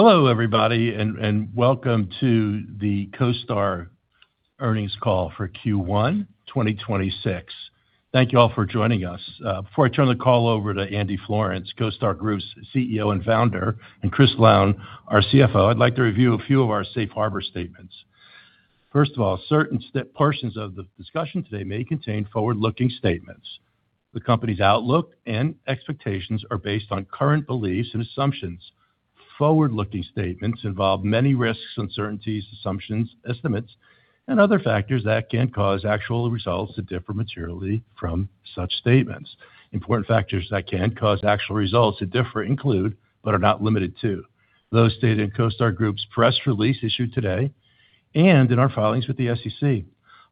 Hello everybody, and welcome to the CoStar earnings call for Q1 2026. Thank you all for joining us. Before I turn the call over to Andy Florance, CoStar Group's CEO and founder, and Christian Lown, our CFO, I'd like to review a few of our safe harbor statements. First of all, certain portions of the discussion today may contain forward-looking statements. The company's outlook and expectations are based on current beliefs and assumptions. Forward-looking statements involve many risks, uncertainties, assumptions, estimates, and other factors that can cause actual results to differ materially from such statements. Important factors that can cause actual results to differ include, but are not limited to, those stated in CoStar Group's press release issued today and in our filings with the SEC.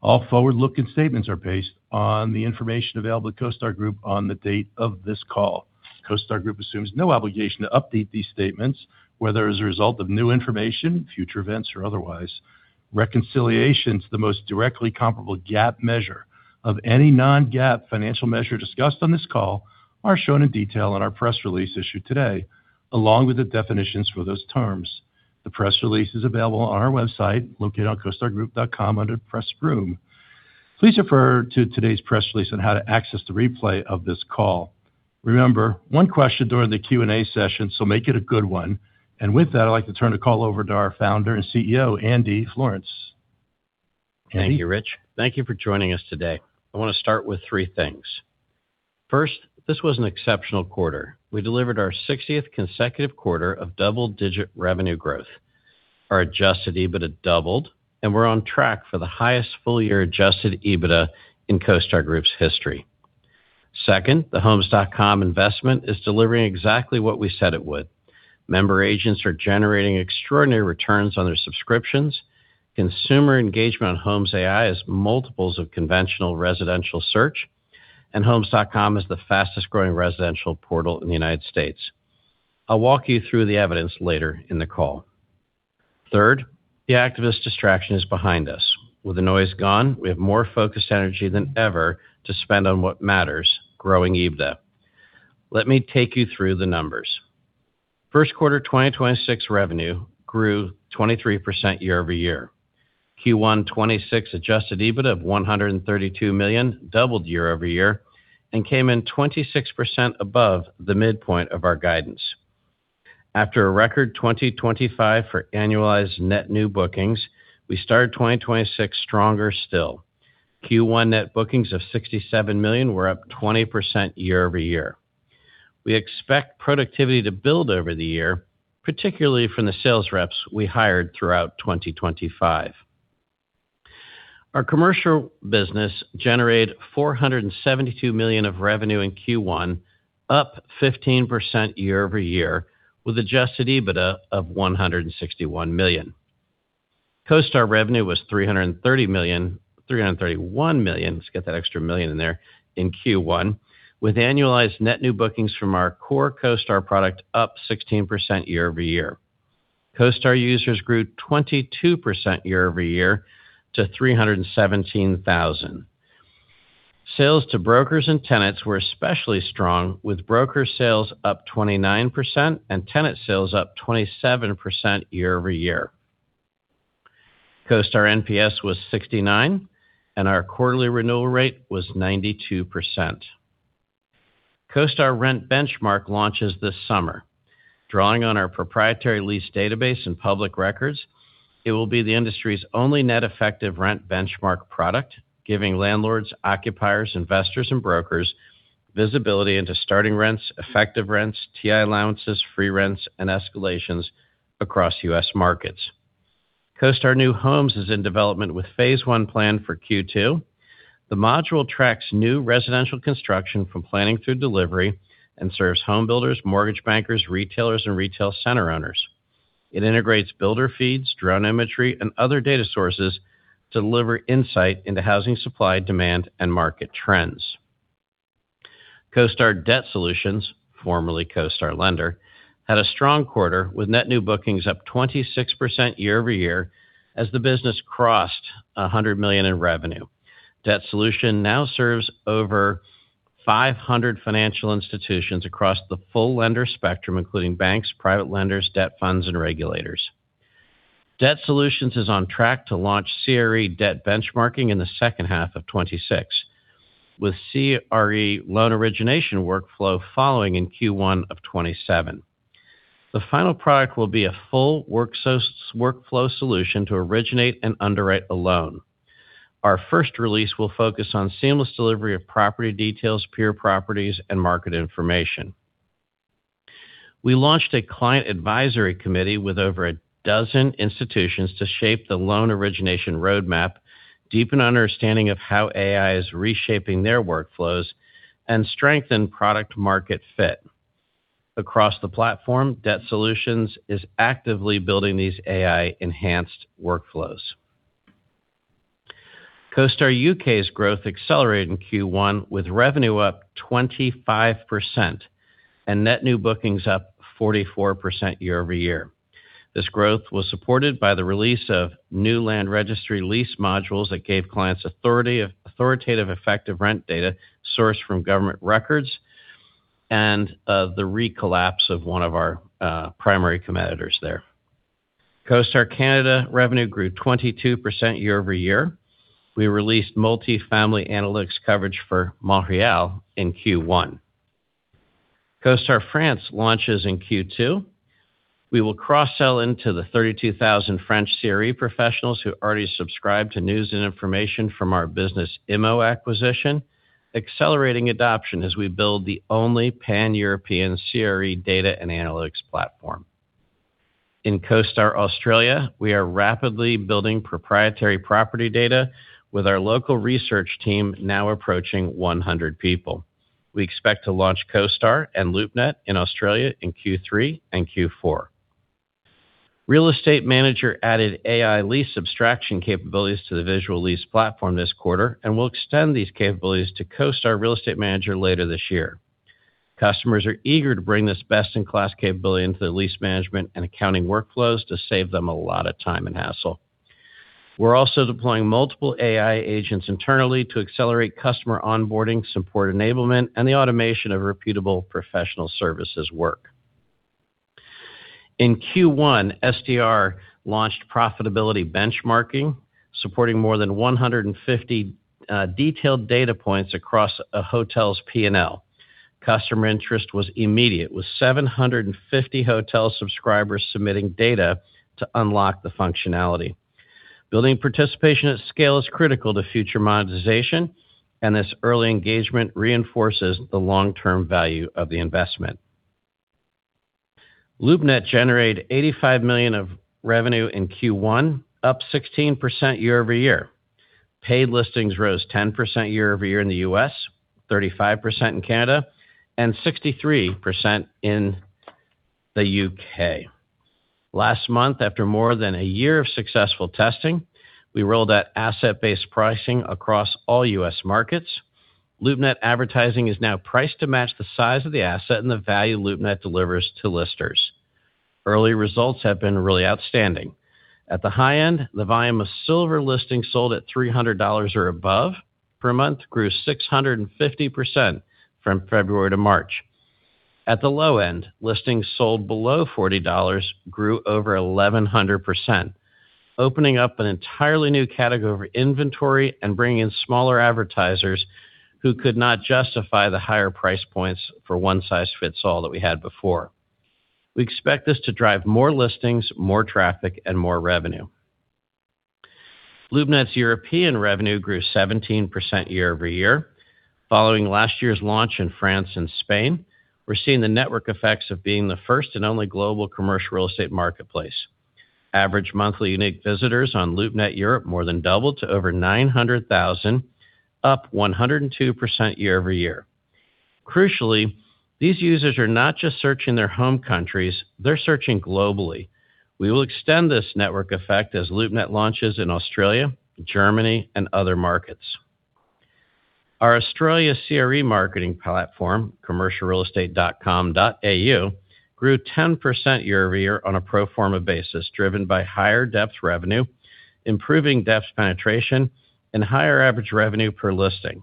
All forward-looking statements are based on the information available to CoStar Group on the date of this call. CoStar Group assumes no obligation to update these statements, whether as a result of new information, future events, or otherwise. Reconciliations to the most directly comparable GAAP measure of any non-GAAP financial measure discussed on this call are shown in detail in our press release issued today, along with the definitions for those terms. The press release is available on our website, located on costargroup.com under Press Room. Please refer to today's press release on how to access the replay of this call. Remember, one question during the Q&A session. Make it a good one. With that, I'd like to turn the call over to our Founder and CEO, Andy Florance. Andy? Thank you, Rich. Thank you for joining us today. I wanna start with 3 things. First, this was an exceptional quarter. We delivered our 60th consecutive quarter of double-digit revenue growth. Our adjusted EBITDA doubled, and we're on track for the highest full-year adjusted EBITDA in CoStar Group's history. Second, the homes.com investment is delivering exactly what we said it would. Member agents are generating extraordinary returns on their subscriptions. Consumer engagement on Homes AI is multiples of conventional residential search, and homes.com is the fastest-growing residential portal in the U.S. I'll walk you through the evidence later in the call. Third, the activist distraction is behind us. With the noise gone, we have more focused energy than ever to spend on what matters, growing EBITDA. Let me take you through the numbers. First quarter 2026 revenue grew 23% year-over-year. Q1 2026 adjusted EBIT of $132 million doubled year-over-year and came in 26% above the midpoint of our guidance. After a record 2025 for annualized net new bookings, we started 2026 stronger still. Q1 net bookings of $67 million were up 20% year-over-year. We expect productivity to build over the year, particularly from the sales reps we hired throughout 2025. Our commercial business generated $472 million of revenue in Q1, up 15% year-over-year, with adjusted EBITDA of $161 million. CoStar revenue was $331 million, let's get that extra million in there, in Q1, with annualized net new bookings from our core CoStar product up 16% year-over-year. CoStar users grew 22% year-over-year to 317,000. Sales to brokers and tenants were especially strong, with broker sales up 29% and tenant sales up 27% year-over-year. CoStar NPS was 69, and our quarterly renewal rate was 92%. CoStar Rent Benchmark launches this summer. Drawing on our proprietary lease database and public records, it will be the industry's only net effective rent benchmark product, giving landlords, occupiers, investors, and brokers visibility into starting rents, effective rents, TI allowances, free rents, and escalations across U.S. markets. CoStar New Homes is in development with phase 1 planned for Q2. The module tracks new residential construction from planning through delivery and serves home builders, mortgage bankers, retailers, and retail center owners. It integrates builder feeds, drone imagery, and other data sources to deliver insight into housing supply, demand, and market trends. CoStar Debt Solutions, formerly CoStar Lender, had a strong quarter, with net new bookings up 26% year-over-year as the business crossed $100 million in revenue. Debt Solutions now serves over 500 financial institutions across the full lender spectrum, including banks, private lenders, debt funds, and regulators. Debt Solutions is on track to launch CRE debt benchmarking in the second half of 2026, with CRE loan origination workflow following in Q1 of 2027. The final product will be a full workflow solution to originate and underwrite a loan. Our first release will focus on seamless delivery of property details, peer properties, and market information. We launched a client advisory committee with over 12 institutions to shape the loan origination roadmap, deepen understanding of how AI is reshaping their workflows, and strengthen product market fit. Across the platform, Debt Solutions is actively building these AI-enhanced workflows. CoStar U.K.'s growth accelerated in Q1, with revenue up 25% and net new bookings up 44% year-over-year. This growth was supported by the release of new land registry lease modules that gave clients authoritative effective rent data sourced from government records and the recollapse of one of our primary competitors there. CoStar Canada revenue grew 22% year-over-year. We released multifamily analytics coverage for Montreal in Q1. CoStar France launches in Q2. We will cross-sell into the 32,000 French CRE professionals who already subscribe to news and information from our Business Immo acquisition, accelerating adoption as we build the only pan-European CRE data and analytics platform. In CoStar Australia, we are rapidly building proprietary property data with our local research team now approaching 100 people. We expect to launch CoStar and LoopNet in Australia in Q3 and Q4. CoStar Real Estate Manager added AI lease abstraction capabilities to the Visual Lease platform this quarter and will extend these capabilities to CoStar Real Estate Manager later this year. Customers are eager to bring this best-in-class capability into the lease management and accounting workflows to save them a lot of time and hassle. We're also deploying multiple AI agents internally to accelerate customer onboarding, support enablement, and the automation of reputable professional services work. In Q1, STR launched profitability benchmarking, supporting more than 150 detailed data points across a hotel's P&L. Customer interest was immediate, with 750 hotel subscribers submitting data to unlock the functionality. Building participation at scale is critical to future monetization, and this early engagement reinforces the long-term value of the investment. LoopNet generated $85 million of revenue in Q1, up 16% year-over-year. Paid listings rose 10% year-over-year in the U.S., 35% in Canada, and 63% in the U.K. Last month, after more than a year of successful testing, we rolled out asset-based pricing across all U.S. markets. LoopNet advertising is now priced to match the size of the asset and the value LoopNet delivers to listers. Early results have been really outstanding. At the high end, the volume of silver listings sold at $300 or above per month grew 650% from February to March. At the low end, listings sold below $40 grew over 1,100%, opening up an entirely new category of inventory and bringing in smaller advertisers who could not justify the higher price points for one-size-fits-all that we had before. We expect this to drive more listings, more traffic, and more revenue. LoopNet's European revenue grew 17% year-over-year. Following last year's launch in France and Spain, we're seeing the network effects of being the first and only global commercial real estate marketplace. Average monthly unique visitors on LoopNet Europe more than doubled to over 900,000, up 102% year-over-year. These users are not just searching their home countries, they're searching globally. We will extend this network effect as LoopNet launches in Australia, Germany, and other markets. Our Australia CRE marketing platform, commercialrealestate.com.au, grew 10% year-over-year on a pro forma basis, driven by higher depth revenue, improving depth penetration, and higher average revenue per listing.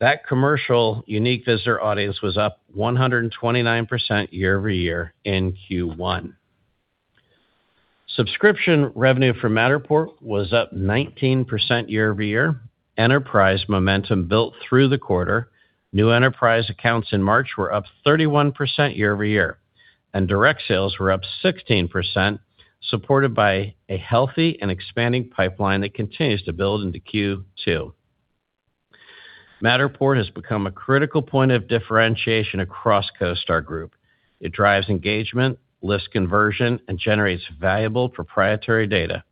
That commercial unique visitor audience was up 129% year-over-year in Q1. Subscription revenue for Matterport was up 19% year-over-year. Enterprise momentum built through the quarter. New enterprise accounts in March were up 31% year-over-year, and direct sales were up 16%, supported by a healthy and expanding pipeline that continues to build into Q2. Matterport has become a critical point of differentiation across CoStar Group. It drives engagement, lists conversion, and generates valuable proprietary data.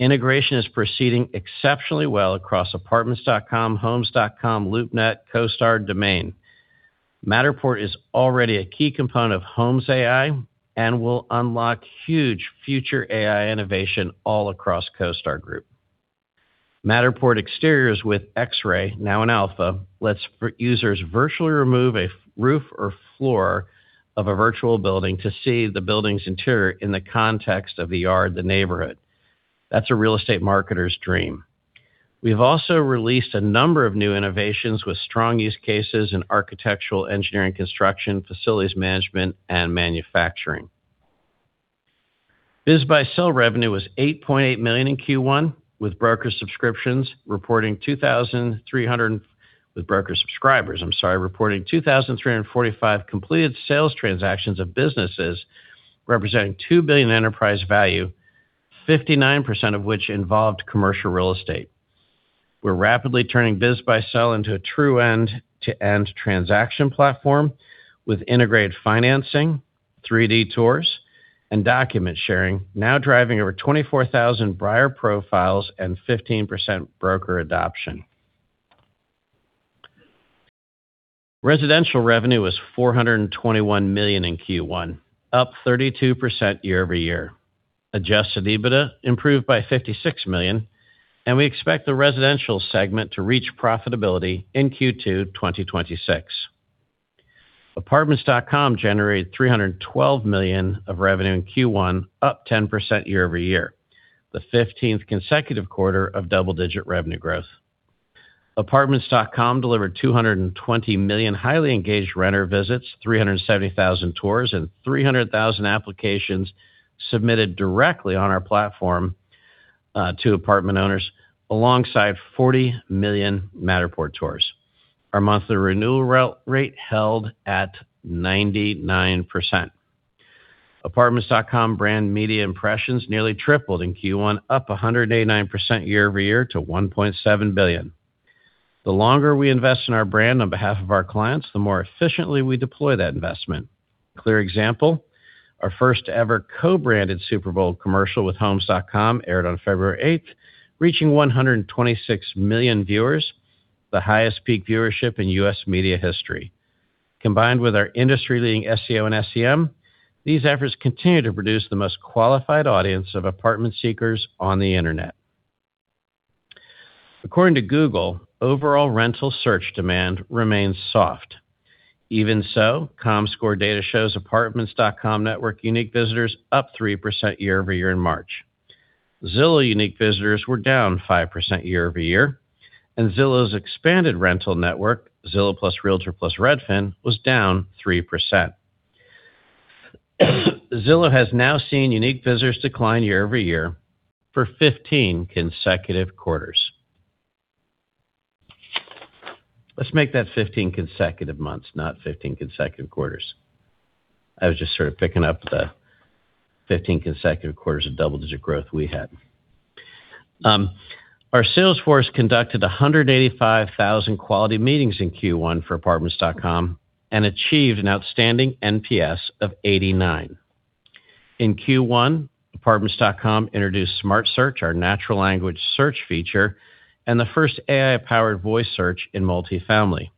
Integration is proceeding exceptionally well across Apartments.com, Homes.com, LoopNet, CoStar domain. Matterport is already a key component of Homes AI and will unlock huge future AI innovation all across CoStar Group. Matterport Exteriors with X-ray, now in alpha, lets users virtually remove a roof or floor of a virtual building to see the building's interior in the context of the yard, the neighborhood. That's a real estate marketer's dream. We've also released a number of new innovations with strong use cases in architectural engineering construction, facilities management, and manufacturing. BizBuySell revenue was $8.8 million in Q1, with broker subscribers, I'm sorry, reporting 2,345 completed sales transactions of businesses, representing $2 billion enterprise value, 59% of which involved commercial real estate. We're rapidly turning BizBuySell into a true end-to-end transaction platform with integrated financing, 3D tours, and document sharing, now driving over 24,000 buyer profiles and 15% broker adoption. Residential revenue was $421 million in Q1, up 32% year-over-year. Adjusted EBITDA improved by $56 million, and we expect the residential segment to reach profitability in Q2 2026. Apartments.com generated $312 million of revenue in Q1, up 10% year-over-year, the 15th consecutive quarter of double-digit revenue growth. Apartments.com delivered 220 million highly engaged renter visits, 370,000 tours, and 300,000 applications submitted directly on our platform to apartment owners alongside 40 million Matterport tours. Our monthly renewal rate held at 99%. Apartments.com brand media impressions nearly tripled in Q1, up 189% year-over-year to 1.7 billion. The longer we invest in our brand on behalf of our clients, the more efficiently we deploy that investment. Clear example, our first-ever co-branded Super Bowl commercial with Homes.com aired on February 8th, reaching 126 million viewers, the highest peak viewership in U.S. media history. Combined with our industry-leading SEO and SEM, these efforts continue to produce the most qualified audience of apartment seekers on the internet. According to Google, overall rental search demand remains soft. Even so, Comscore data shows Apartments.com network unique visitors up 3% year-over-year in March. Zillow unique visitors were down 5% year-over-year, and Zillow's expanded rental network, Zillow plus Realtor plus Redfin, was down 3%. Zillow has now seen unique visitors decline year-over-year for 15 consecutive quarters. Let's make that 15 consecutive months, not 15 consecutive quarters. I was just sort of picking up the 15 consecutive quarters of double-digit growth we had. Our sales force conducted 185,000 quality meetings in Q1 for Apartments.com and achieved an outstanding NPS of 89. In Q1, Apartments.com introduced Smart Search, our natural language search feature, and the first AI-powered voice search in multifamily.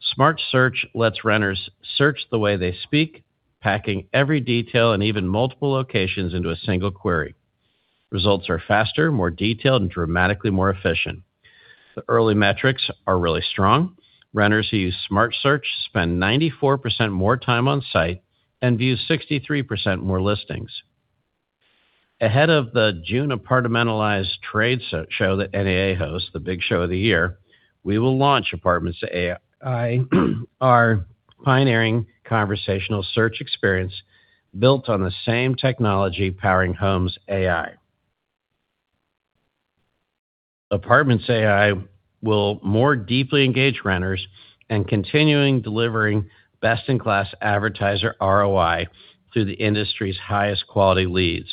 Smart Search lets renters search the way they speak, packing every detail and even multiple locations into a single query. Results are faster, more detailed, and dramatically more efficient. The early metrics are really strong. Renters who use Smart Search spend 94% more time on-site and view 63% more listings. Ahead of the June Apartmentalize trade show that NAA hosts, the big show of the year, we will launch Apartments AI, our pioneering conversational search experience built on the same technology powering Homes AI. Apartments AI will more deeply engage renters and continuing delivering best-in-class advertiser ROI through the industry's highest quality leads.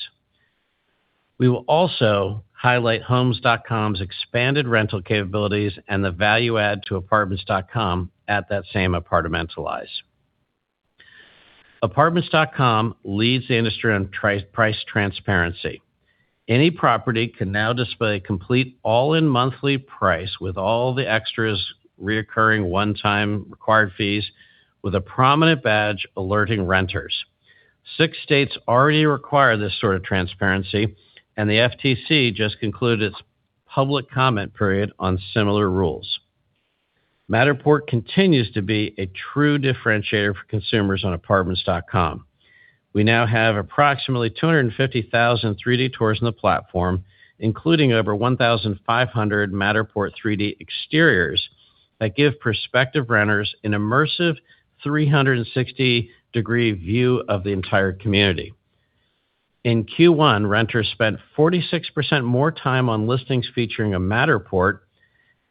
We will also highlight Homes.com's expanded rental capabilities and the value add to Apartments.com at that same Apartmentalize. Apartments.com leads the industry on tri-price transparency. Any property can now display complete all-in monthly price with all the extras, reoccurring, one-time required fees with a prominent badge alerting renters. six states already require this sort of transparency. The FTC just concluded its public comment period on similar rules. Matterport continues to be a true differentiator for consumers on Apartments.com. We now have approximately 250,000 3D tours on the platform, including over 1,500 Matterport 3D exteriors that give prospective renters an immersive 360 degree view of the entire community. In Q1, renters spent 46% more time on listings featuring a Matterport.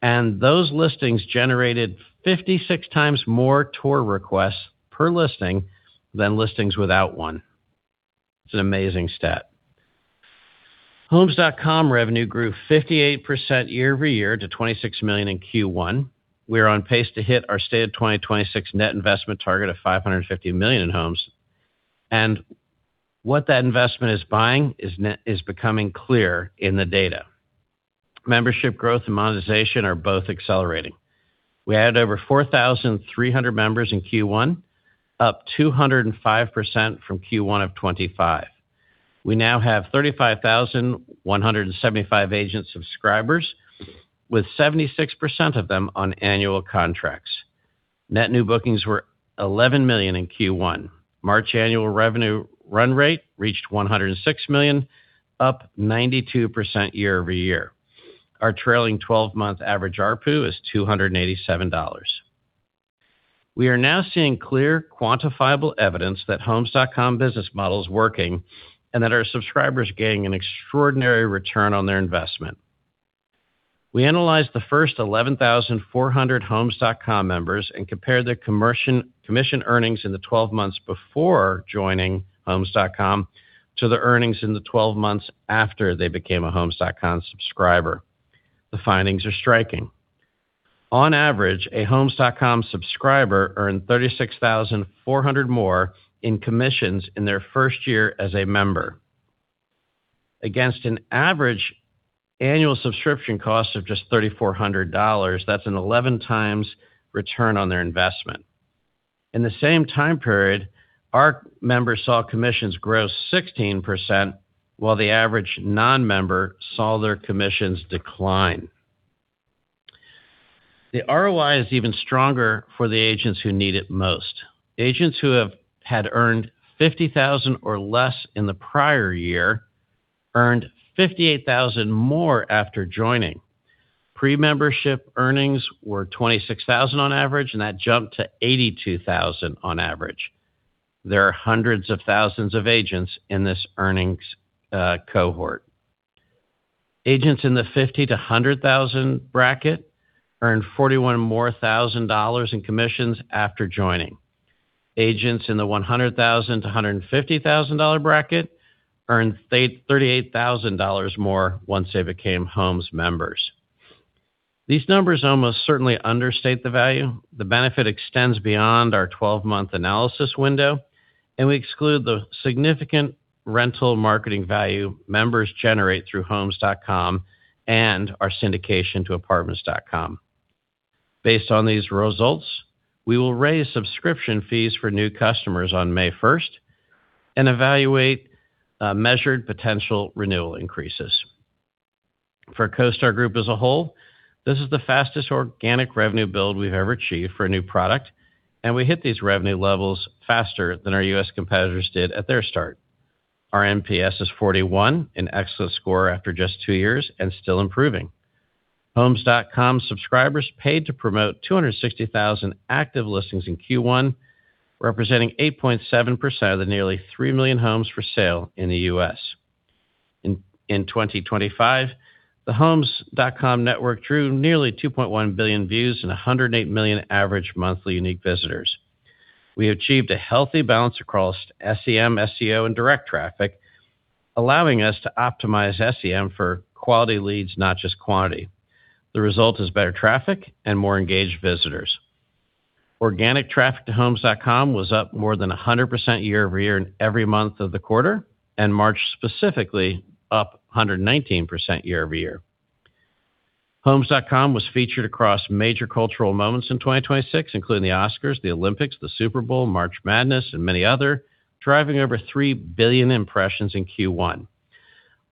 Those listings generated 56 times more tour requests per listing than listings without one. It's an amazing stat. Homes.com revenue grew 58% year-over-year to $26 million in Q1. We are on pace to hit our stated 2026 net investment target of $550 million homes. What that investment is buying is becoming clear in the data. Membership growth and monetization are both accelerating. We added over 4,300 members in Q1, up 205% from Q1 of 2025. We now have 35,175 agent subscribers with 76% of them on annual contracts. Net new bookings were $11 million in Q1. March annual revenue run rate reached $106 million, up 92% year-over-year. Our trailing twelve-month average ARPU is $287. We are now seeing clear quantifiable evidence that Homes.com business model is working and that our subscribers gain an extraordinary return on their investment. We analyzed the first 11,400 Homes.com members and compared their commission earnings in the 12 months before joining Homes.com to the earnings in the 12 months after they became a Homes.com subscriber. The findings are striking. On average, a Homes.com subscriber earned $36,400 more in commissions in their first year as a member. Against an average annual subscription cost of just $3,400, that's an 11 times return on their investment. In the same time period, our members saw commissions grow 16% while the average non-member saw their commissions decline. The ROI is even stronger for the agents who need it most. Agents who have earned $50,000 or less in the prior year earned $58,000 more after joining. Pre-membership earnings were $26,000 on average, and that jumped to $82,000 on average. There are hundreds of thousands of agents in this earnings cohort. Agents in the $50,000-100,000 bracket earned $41,000 more in commissions after joining. Agents in the $100,000-150,000 bracket earned $38,000 more once they became Homes members. These numbers almost certainly understate the value. The benefit extends beyond our 12-month analysis window, and we exclude the significant rental marketing value members generate through Homes.com and our syndication to Apartments.com. Based on these results, we will raise subscription fees for new customers on May 1 and evaluate measured potential renewal increases. For CoStar Group as a whole, this is the fastest organic revenue build we've ever achieved for a new product, and we hit these revenue levels faster than our U.S. competitors did at their start. Our NPS is 41, an excellent score after just two years and still improving. Homes.com subscribers paid to promote 260,000 active listings in Q1, representing 8.7% of the nearly 3 million homes for sale in the U.S. In 2025, the Homes.com network drew nearly 2.1 billion views and 108 million average monthly unique visitors. We achieved a healthy balance across SEM, SEO, and direct traffic, allowing us to optimize SEM for quality leads, not just quantity. The result is better traffic and more engaged visitors. Organic traffic to homes.com was up more than 100% year-over-year in every month of the quarter, and March specifically up 119% year-over-year. Homes.com was featured across major cultural moments in 2026, including the Oscars, the Olympics, the Super Bowl, March Madness, and many other, driving over 3 billion impressions in Q1.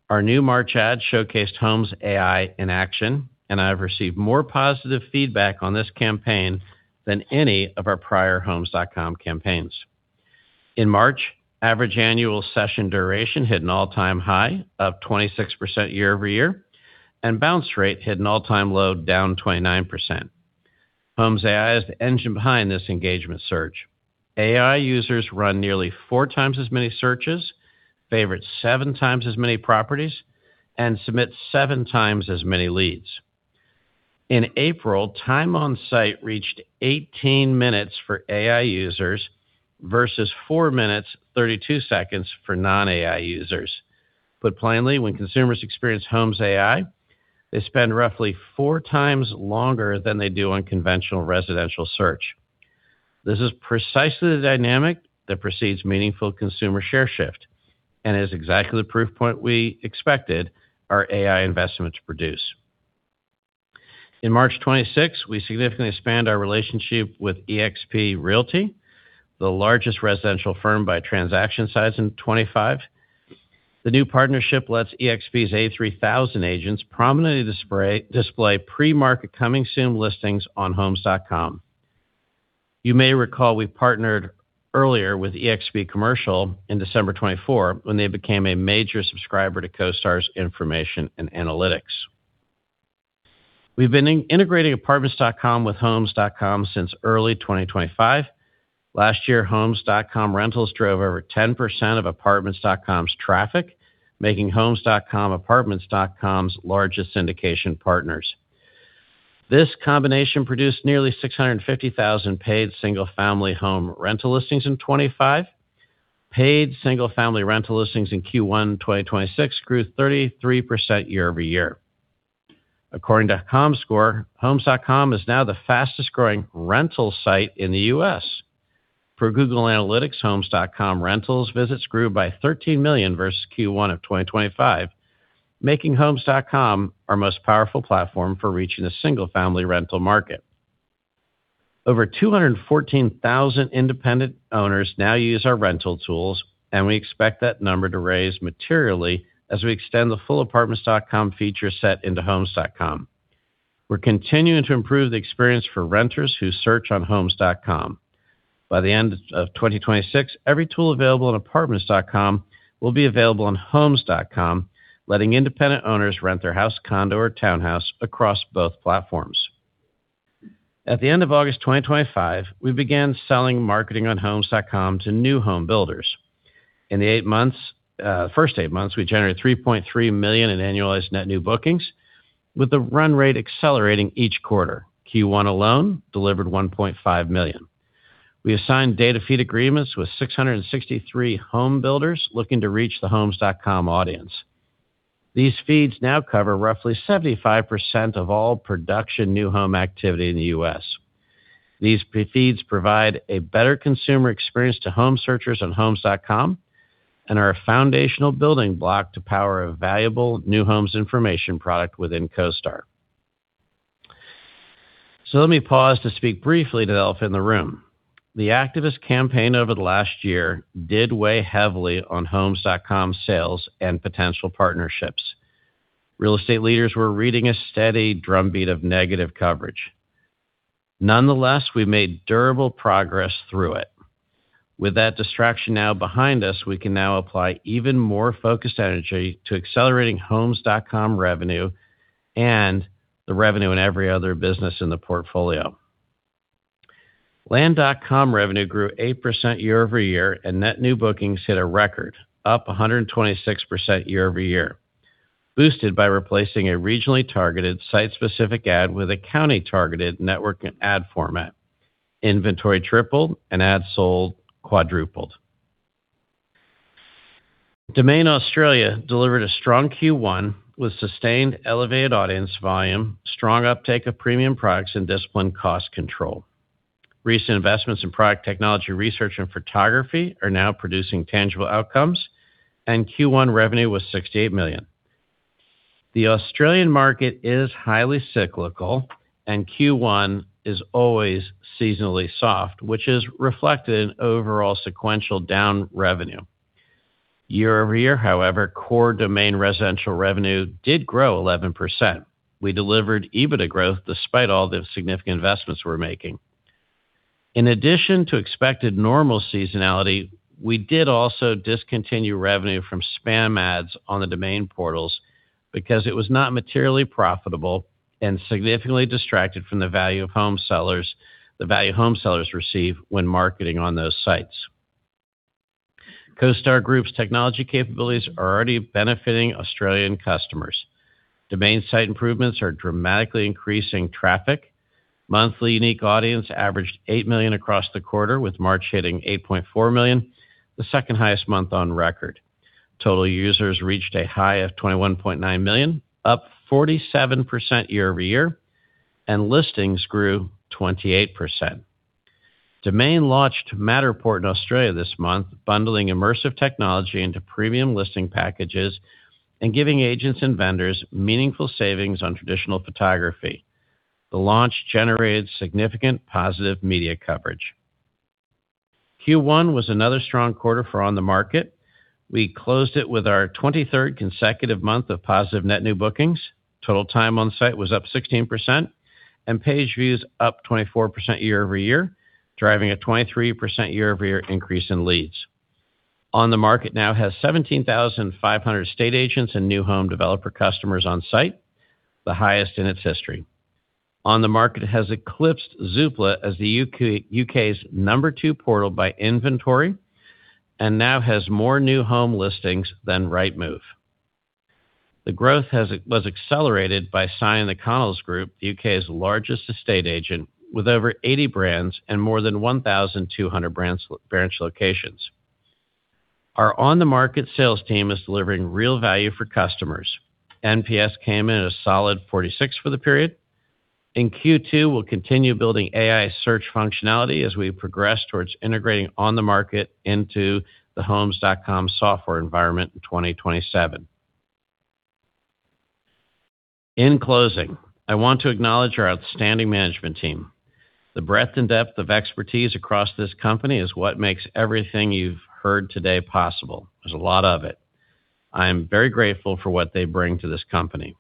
Our new March ad showcased Homes AI in action, and I've received more positive feedback on this campaign than any of our prior homes.com campaigns. In March, average annual session duration hit an all-time high of 26% year-over-year, and bounce rate hit an all-time low, down 29%. Homes AI is the engine behind this engagement surge. AI users run nearly four times as many searches, favorite seven times as many properties, and submit seven times as many leads. In April, time on site reached 18 minutes for AI users versus four minutes 32 seconds for non-AI users. Put plainly, when consumers experience Homes AI, they spend roughly four times longer than they do on conventional residential search. This is precisely the dynamic that precedes meaningful consumer share shift and is exactly the proof point we expected our AI investment to produce. In March 2026, we significantly expand our relationship with eXp Realty, the largest residential firm by transaction size in 2025. The new partnership lets eXp's 83,000 agents prominently display pre-market Coming Soon listings on homes.com. You may recall we partnered earlier with eXp Commercial in December 2024 when they became a major subscriber to CoStar's information and analytics. We've been integrating Apartments.com with Homes.com since early 2025. Last year, Homes.com rentals drove over 10% of Apartments.com's traffic, making Homes.com Apartments.com's largest syndication partners. This combination produced nearly 650,000 paid single-family home rental listings in 2025. Paid single-family rental listings in Q1 2026 grew 33% year-over-year. According to Comscore, Homes.com is now the fastest-growing rental site in the U.S. Per Google Analytics, Homes.com rentals visits grew by 13 million versus Q1 2025, making Homes.com our most powerful platform for reaching the single-family rental market. Over 214,000 independent owners now use our rental tools, and we expect that number to raise materially as we extend the full Apartments.com feature set into Homes.com. We're continuing to improve the experience for renters who search on Homes.com. By the end of 2026, every tool available on Apartments.com will be available on Homes.com, letting independent owners rent their house, condo, or townhouse across both platforms. At the end of August 2025, we began selling marketing on Homes.com to new home builders. In the first eight months, we generated $3.3 million in annualized net new bookings with the run rate accelerating each quarter. Q1 alone delivered $1.5 million. We assigned data feed agreements with 663 home builders looking to reach the Homes.com audience. These feeds now cover roughly 75% of all production new home activity in the U.S. These feeds provide a better consumer experience to home searchers on Homes.com and are a foundational building block to power a valuable new homes information product within CoStar. Let me pause to speak briefly to elephant in the room. The activist campaign over the last year did weigh heavily on Homes.com sales and potential partnerships. Real estate leaders were reading a steady drumbeat of negative coverage. Nonetheless, we made durable progress through it. With that distraction now behind us, we can now apply even more focused energy to accelerating Homes.com revenue and the revenue in every other business in the portfolio. Land.com revenue grew 8% year-over-year, and net new bookings hit a record, up 126% year-over-year, boosted by replacing a regionally targeted site-specific ad with a county targeted network ad format. Inventory tripled and ads sold quadrupled. Domain Australia delivered a strong Q1 with sustained elevated audience volume, strong uptake of premium products, and disciplined cost control. Recent investments in product technology, research, and photography are now producing tangible outcomes. Q1 revenue was $68 million. The Australian market is highly cyclical. Q1 is always seasonally soft, which is reflected in overall sequential down revenue. Year-over-year, however, core Domain residential revenue did grow 11%. We delivered EBITDA growth despite all the significant investments we're making. In addition to expected normal seasonality, we did also discontinue revenue from spam ads on the Domain portals because it was not materially profitable and significantly distracted from the value home sellers receive when marketing on those sites. CoStar Group's technology capabilities are already benefiting Australian customers. Domain site improvements are dramatically increasing traffic. Monthly unique audience averaged 8 million across the quarter, with March hitting 8.4 million, the second-highest month on record. Total users reached a high of 21.9 million, up 47% year-over-year, and listings grew 28%. Domain launched Matterport in Australia this month, bundling immersive technology into premium listing packages and giving agents and vendors meaningful savings on traditional photography. The launch generated significant positive media coverage. Q1 was another strong quarter for OnTheMarket. We closed it with our 23rd consecutive month of positive net new bookings. Total time on site was up 16%, and page views up 24% year-over-year, driving a 23% year-over-year increase in leads. OnTheMarket now has 17,500 estate agents and new home developer customers on site, the highest in its history. OnTheMarket has eclipsed Zoopla as the U.K.'s number two portal by inventory and now has more new home listings than Rightmove. The growth was accelerated by signing the Connells Group, the U.K.'s largest estate agent with over 80 brands and more than 1,200 branch locations. Our OnTheMarket sales team is delivering real value for customers. NPS came in at a solid 46 for the period. In Q2, we'll continue building AI search functionality as we progress towards integrating OnTheMarket into the homes.com software environment in 2027. In closing, I want to acknowledge our outstanding management team. The breadth and depth of expertise across this company is what makes everything you've heard today possible. There's a lot of it. I am very grateful for what they bring to this company.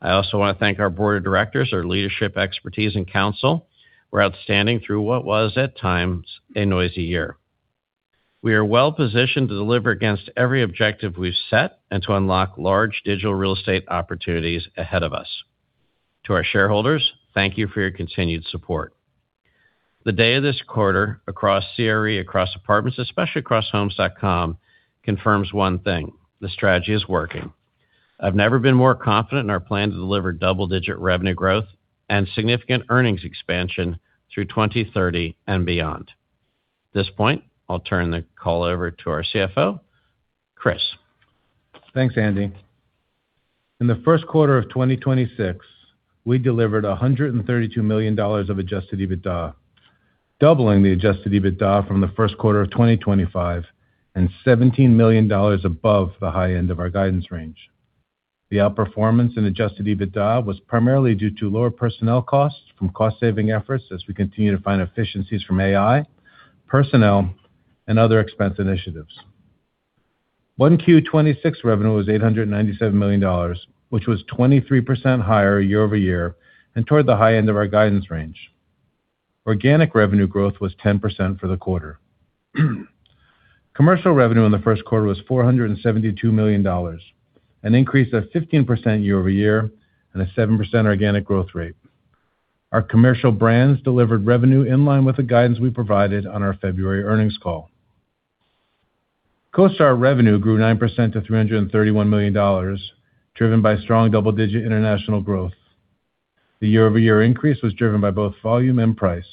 I also wanna thank our board of directors, our leadership expertise, and counsel were outstanding through what was at times a noisy year. We are well-positioned to deliver against every objective we've set and to unlock large digital real estate opportunities ahead of us. To our shareholders, thank you for your continued support. The day of this quarter across CRE, across Apartments, especially across Homes.com, confirms one thing: the strategy is working. I've never been more confident in our plan to deliver double-digit revenue growth and significant earnings expansion through 2030 and beyond. At this point, I'll turn the call over to our CFO, Chris. Thanks, Andy. In the first quarter of 2026, we delivered $132 million of adjusted EBITDA, doubling the adjusted EBITDA from the first quarter of 2025 and $17 million above the high end of our guidance range. The outperformance in adjusted EBITDA was primarily due to lower personnel costs from cost-saving efforts as we continue to find efficiencies from AI, personnel, and other expense initiatives. OneQ 2026 revenue was $897 million, which was 23% higher year-over-year and toward the high end of our guidance range. Organic revenue growth was 10% for the quarter. Commercial revenue in the first quarter was $472 million, an increase of 15% year-over-year and a 7% organic growth rate. Our commercial brands delivered revenue in line with the guidance we provided on our February earnings call. CoStar revenue grew 9% to $331 million, driven by strong double-digit international growth. The year-over-year increase was driven by both volume and price.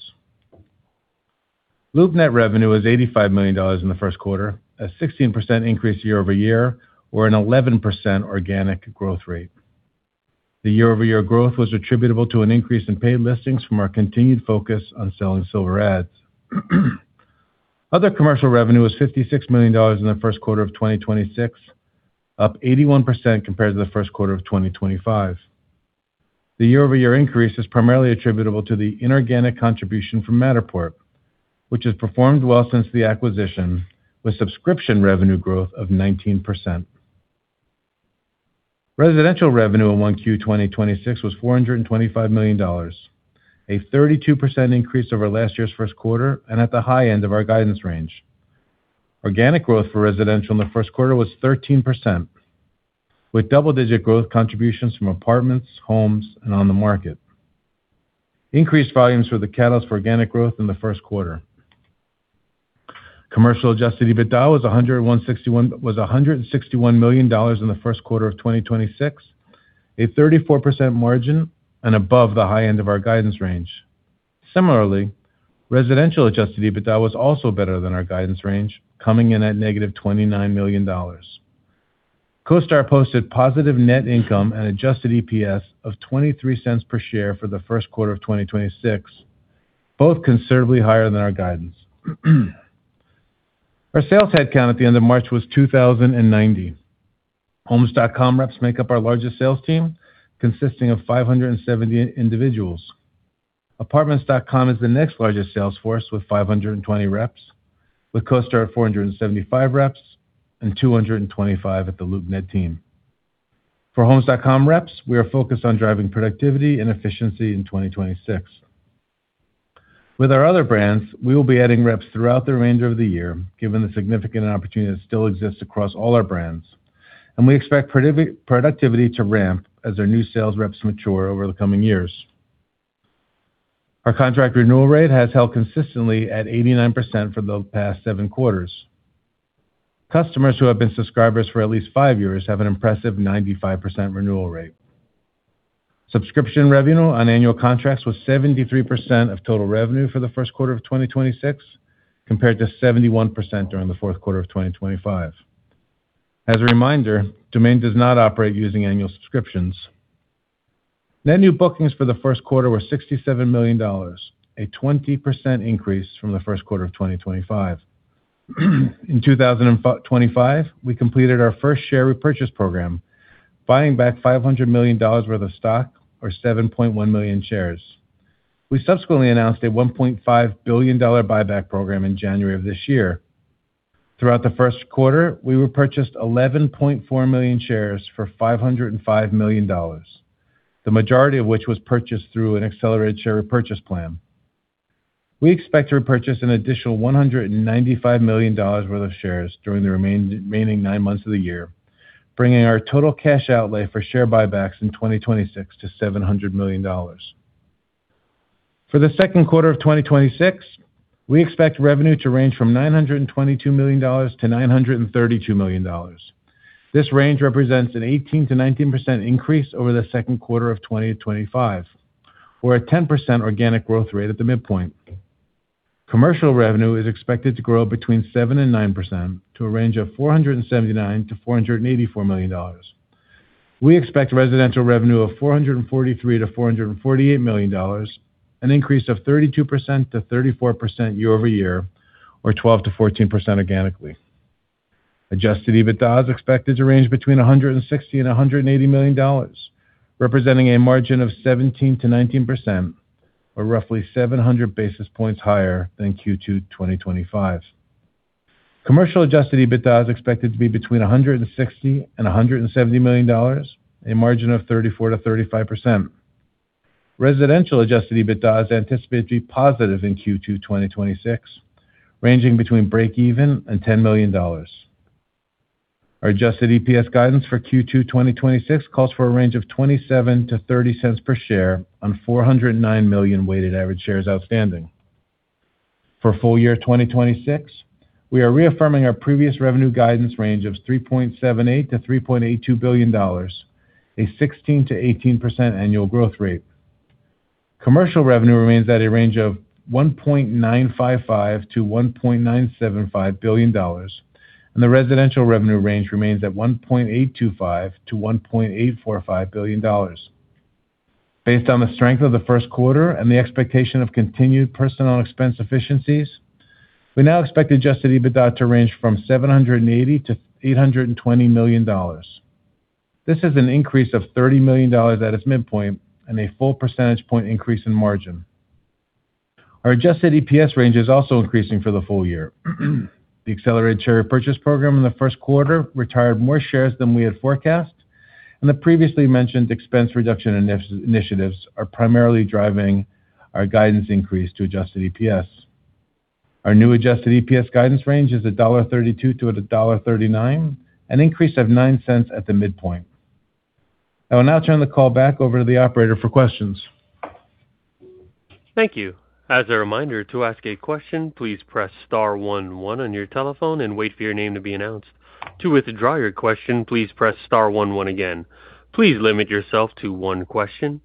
LoopNet revenue was $85 million in Q1, a 16% increase year-over-year or an 11% organic growth rate. The year-over-year growth was attributable to an increase in paid listings from our continued focus on selling silver ads. Other commercial revenue was $56 million in Q1 2026, up 81% compared to Q1 2025. The year-over-year increase is primarily attributable to the inorganic contribution from Matterport, which has performed well since the acquisition with subscription revenue growth of 19%. Residential revenue in Q1 2026 was $425 million, a 32% increase over last year's first quarter and at the high end of our guidance range. Organic growth for residential in the first quarter was 13%, with double-digit growth contributions from Apartments, Homes, and OnTheMarket. Increased volumes were the catalyst for organic growth in the first quarter. Commercial adjusted EBITDA was $161 million in the first quarter of 2026, a 34% margin and above the high end of our guidance range. Similarly, residential adjusted EBITDA was also better than our guidance range, coming in at negative $29 million. CoStar posted positive net income and adjusted EPS of $0.23 per share for the first quarter of 2026, both considerably higher than our guidance. Our sales headcount at the end of March was 2,090. Homes.com reps make up our largest sales team, consisting of 570 individuals. Apartments.com is the next largest sales force with 520 reps, with CoStar at 475 reps and 225 at the LoopNet team. For Homes.com reps, we are focused on driving productivity and efficiency in 2026. With our other brands, we will be adding reps throughout the range of the year, given the significant opportunity that still exists across all our brands, and we expect productivity to ramp as our new sales reps mature over the coming years. Our contract renewal rate has held consistently at 89% for the past 7 quarters. Customers who have been subscribers for at least five years have an impressive 95% renewal rate. Subscription revenue on annual contracts was 73% of total revenue for the first quarter of 2026, compared to 71% during the fourth quarter of 2025. As a reminder, Domain does not operate using annual subscriptions. Net new bookings for the first quarter were $67 million, a 20% increase from the first quarter of 2025. In 2025, we completed our first share repurchase program, buying back $500 million worth of stock or 7.1 million shares. We subsequently announced a $1.5 billion buyback program in January of this year. Throughout the first quarter, we repurchased 11.4 million shares for $505 million, the majority of which was purchased through an accelerated share repurchase plan. We expect to repurchase an additional $195 million worth of shares during the remaining nine months of the year, bringing our total cash outlay for share buybacks in 2026 to $700 million. For the second quarter of 2026, we expect revenue to range from $922 million-932 million. This range represents an 18%-19% increase over the second quarter of 2025 or a 10% organic growth rate at the midpoint. Commercial revenue is expected to grow between 7%-9% to a range of $479 million-484 million. We expect residential revenue of $443 million-448 million, an increase of 32%-34% year-over-year or 12%-14% organically. Adjusted EBITDA is expected to range between $160 million and $180 million, representing a margin of 17%-19% or roughly 700 basis points higher than Q2 2025. Commercial Adjusted EBITDA is expected to be between $160 million and $170 million, a margin of 34%-35%. Residential Adjusted EBITDA is anticipated to be positive in Q2 2026, ranging between break even and $10 million. Our Adjusted EPS guidance for Q2 2026 calls for a range of $0.27-0.30 per share on 409 million weighted average shares outstanding. For full year 2026, we are reaffirming our previous revenue guidance range of $3.78 billion-3.82 billion, a 16%-18% annual growth rate. Commercial revenue remains at a range of $1.955 billion-1.975 billion, and the residential revenue range remains at $1.825 billion-1.845 billion. Based on the strength of the first quarter and the expectation of continued personnel expense efficiencies, we now expect adjusted EBITDA to range from $780 million-820 million. This is an increase of $30 million at its midpoint and a full percentage point increase in margin. Our adjusted EPS range is also increasing for the full year. The accelerated share repurchase program in the first quarter retired more shares than we had forecast, and the previously mentioned expense reduction initiatives are primarily driving our guidance increase to adjusted EPS. Our new adjusted EPS guidance range is $1.32 to $1.39, an increase of $0.09 at the midpoint. I will now turn the call back over to the operator for questions. Thank you. As a reminder, to ask a question, please press star one one on your telephone and wait for your name to be announced. To withdraw your question, please press star one one again. Please limit yourself to one question.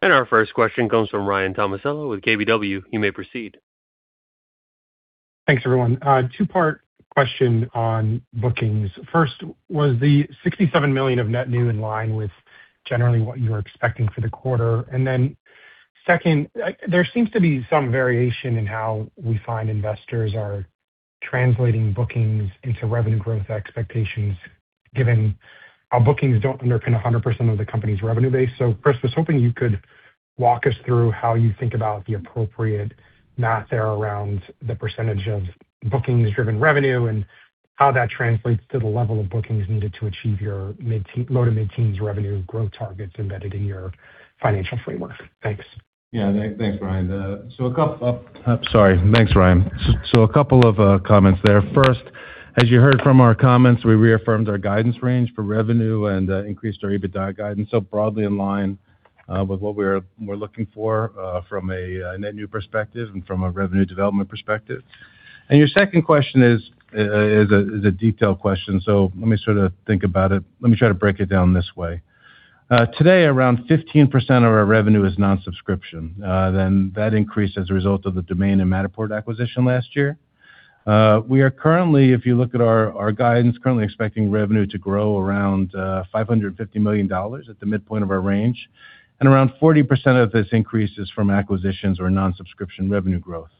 Our first question comes from Ryan Tomasello with KBW. You may proceed. Thanks, everyone. Two-part question on bookings. First, was the $67 million of net new in line with generally what you were expecting for the quarter? Then second, there seems to be some variation in how we find investors are translating bookings into revenue growth expectations. Given our bookings don't underpin 100% of the company's revenue base. Chris, I was hoping you could walk us through how you think about the appropriate math around the percentage of bookings-driven revenue and how that translates to the level of bookings needed to achieve your low- to mid-teens revenue growth targets embedded in your financial framework. Thanks. Thanks, Ryan. Sorry. Thanks, Ryan. A couple of comments there. First, as you heard from our comments, we reaffirmed our guidance range for revenue and increased our EBITDA guidance. Broadly in line with what we're looking for from a net new perspective and from a revenue development perspective. Your second question is a detailed question, let me sort of think about it. Let me try to break it down this way. Today, around 15% of our revenue is non-subscription, that increased as a result of the Domain and Matterport acquisition last year. We are currently, if you look at our guidance, currently expecting revenue to grow around $550 million at the midpoint of our range, and around 40% of this increase is from acquisitions or non-subscription revenue growth.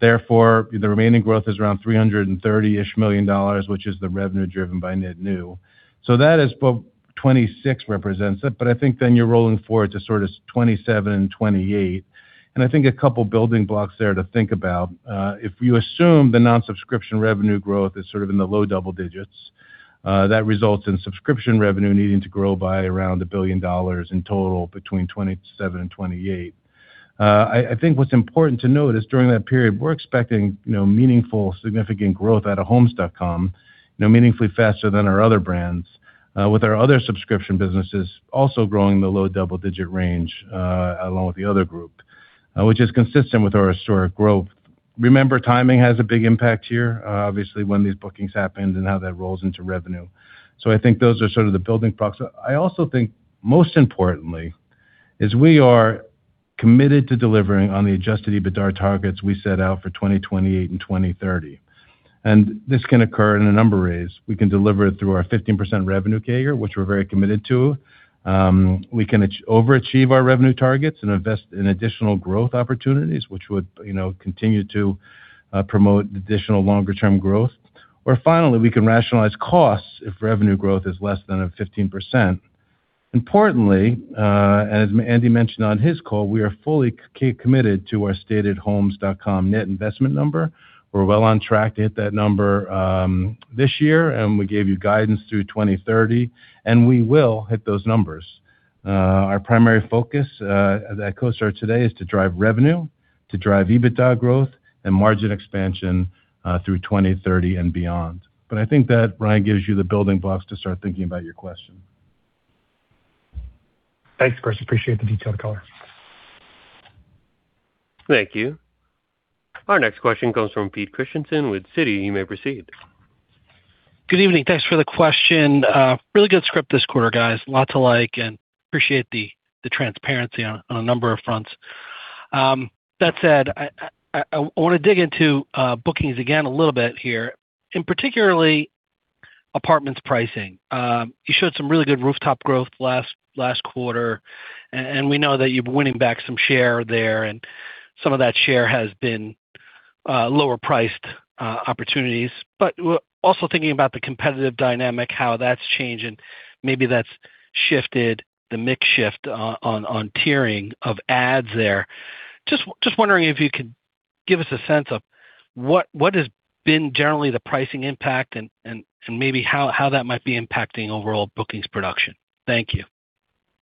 Therefore, the remaining growth is around $330-ish million, which is the revenue driven by net new. That is what 2026 represents it. I think then you're rolling forward to sort of 2027 and 2028. I think a couple building blocks there to think about. If you assume the non-subscription revenue growth is sort of in the low double digits, that results in subscription revenue needing to grow by around $1 billion in total between 2027 and 2028. I think what's important to note is during that period, we're expecting, you know, meaningful, significant growth out of Homes.com, you know, meaningfully faster than our other brands, with our other subscription businesses also growing in the low double-digit range, along with the other group, which is consistent with our historic growth. Remember, timing has a big impact here, obviously, when these bookings happen and how that rolls into revenue. I think those are sort of the building blocks. I also think, most importantly, is we are committed to delivering on the adjusted EBITDA targets we set out for 2028 and 2030. This can occur in a number of ways. We can deliver it through our 15% revenue CAGR, which we're very committed to. We can over-achieve our revenue targets and invest in additional growth opportunities, which would, you know, continue to promote additional longer-term growth. Finally, we can rationalize costs if revenue growth is less than a 15%. Importantly, as Andy mentioned on his call, we are fully committed to our stated Homes.com net investment number. We're well on track to hit that number this year, and we gave you guidance through 2030, and we will hit those numbers. Our primary focus at CoStar today is to drive revenue, to drive EBITDA growth and margin expansion through 2030 and beyond. I think that, Ryan, gives you the building blocks to start thinking about your question. Thanks, Chris. Appreciate the detailed color. Thank you. Our next question comes from Peter Christiansen with Citi. You may proceed. Good evening. Thanks for the question. Really good script this quarter, guys. Lot to like and appreciate the transparency on a number of fronts. That said, I wanna dig into bookings again a little bit here, and particularly apartments pricing. You showed some really good rooftop growth last quarter, and we know that you've been winning back some share there, and some of that share has been lower priced opportunities. Also thinking about the competitive dynamic, how that's changing, maybe that's shifted the mix shift on tiering of ads there. Just wondering if you could give us a sense of what has been generally the pricing impact and maybe how that might be impacting overall bookings production. Thank you.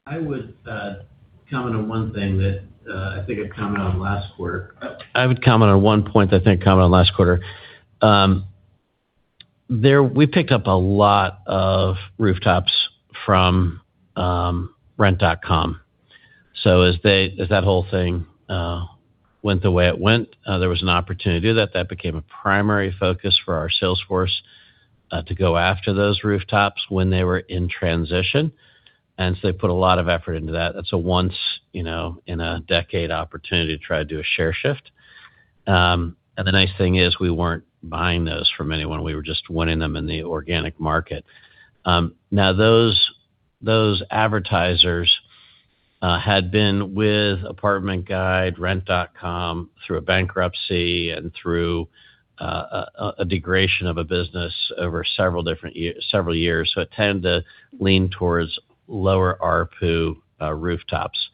I would comment on one thing that I think I commented on last quarter. I would comment on one point that I think I commented on last quarter. We picked up a lot of rooftops from Rent.com. As that whole thing went the way it went, there was an opportunity that became a primary focus for our sales force to go after those rooftops when they were in transition. They put a lot of effort into that. That's a once, you know, in a decade opportunity to try to do a share shift. The nice thing is, we weren't buying those from anyone. We were just winning them in the organic market. Now those advertisers had been with Apartment Guide, Rent.com through a bankruptcy and through a degradation of a business over several years, so tend to lean towards lower ARPU rooftops.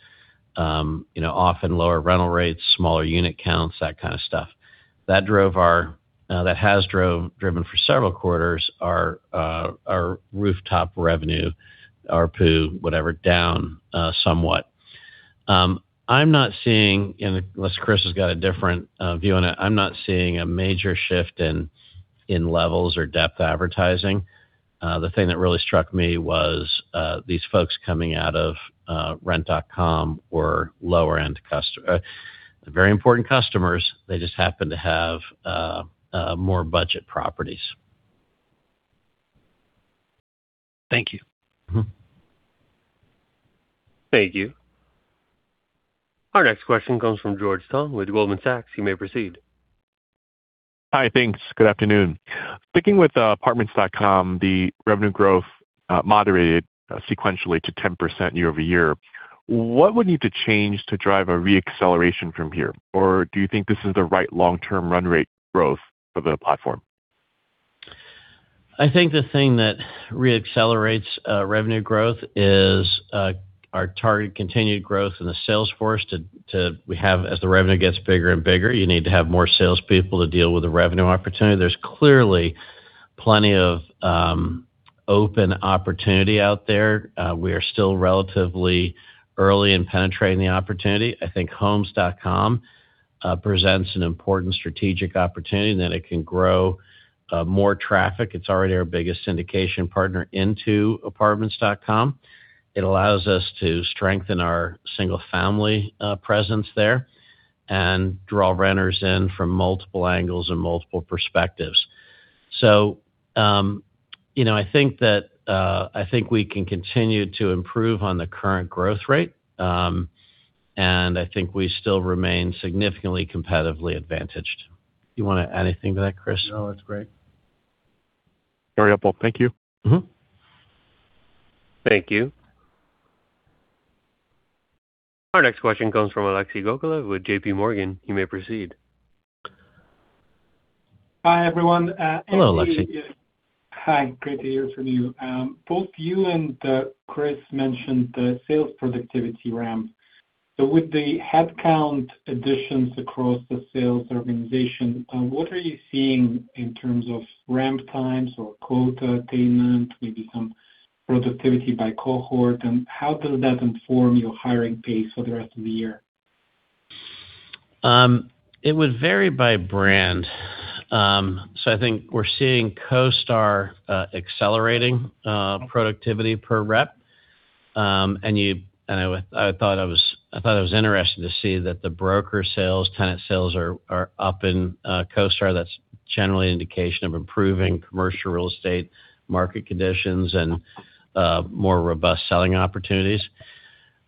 You know, often lower rental rates, smaller unit counts, that kind of stuff. That drove our, that has driven for several quarters our rooftop revenue, ARPU, whatever, down somewhat. I'm not seeing, unless Chris has got a different view on it, I'm not seeing a major shift in levels or depth advertising. The thing that really struck me was these folks coming out of Rent.com were lower end very important customers. They just happen to have more budget properties. Thank you. Mm-hmm. Thank you. Our next question comes from George Tong with Goldman Sachs. You may proceed. Hi. Thanks. Good afternoon. Sticking with Apartments.com, the revenue growth moderated sequentially to 10% year-over-year. What would need to change to drive a re-acceleration from here? Do you think this is the right long-term run rate growth for the platform? I think the thing that re-accelerates revenue growth is our target continued growth in the sales force. We have, as the revenue gets bigger and bigger, you need to have more salespeople to deal with the revenue opportunity. There's clearly plenty of open opportunity out there. We are still relatively early in penetrating the opportunity. I think Homes.com presents an important strategic opportunity, and that it can grow more traffic. It's already our biggest syndication partner into Apartments.com. It allows us to strengthen our single-family presence there and draw renters in from multiple angles and multiple perspectives. You know, I think that I think we can continue to improve on the current growth rate. I think we still remain significantly competitively advantaged. You wanna add anything to that, Chris? No, that's great. Very helpful. Thank you. Mm-hmm. Thank you. Our next question comes from Alexei Gogolev with J.P. Morgan. You may proceed. Hi, everyone. Hello, Alexei. Hi, great to hear from you. Both you and Chris mentioned the sales productivity ramp. With the headcount additions across the sales organization, what are you seeing in terms of ramp times or quota attainment, maybe some productivity by cohort, and how does that inform your hiring pace for the rest of the year? It would vary by brand. I think we're seeing CoStar accelerating productivity per rep. I thought it was interesting to see that the broker sales, tenant sales are up in CoStar. That's generally an indication of improving commercial real estate market conditions and more robust selling opportunities.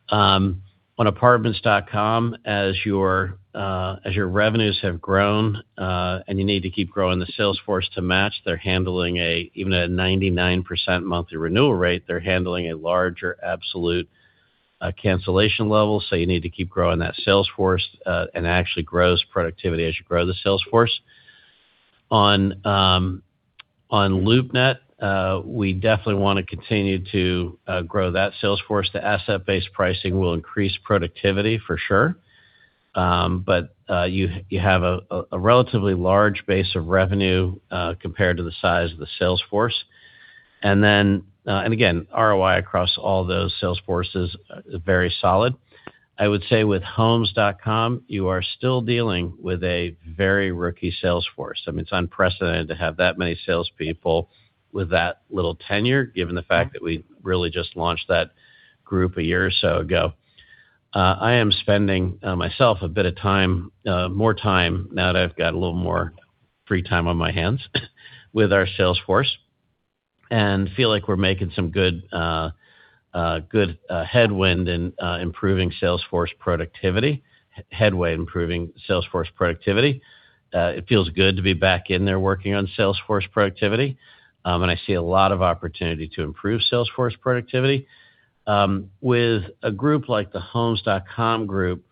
On Apartments.com, as your revenues have grown, and you need to keep growing the sales force to match, they're handling even at 99% monthly renewal rate, they're handling a larger absolute cancellation level, so you need to keep growing that sales force, and actually grows productivity as you grow the sales force. On LoopNet, we definitely wanna continue to grow that sales force. The asset-based pricing will increase productivity for sure. You have a relatively large base of revenue compared to the size of the sales force. ROI across all those sales forces is very solid. I would say with Homes.com, you are still dealing with a very rookie sales force. I mean, it's unprecedented to have that many sales people with that little tenure, given the fact that we really just launched that group a year or so ago. I am spending myself a bit of time, more time now that I've got a little more free time on my hands with our sales force, and feel like we're making some good headway improving sales force productivity. It feels good to be back in there working on sales force productivity. I see a lot of opportunity to improve sales force productivity. With a group like the Homes.com group,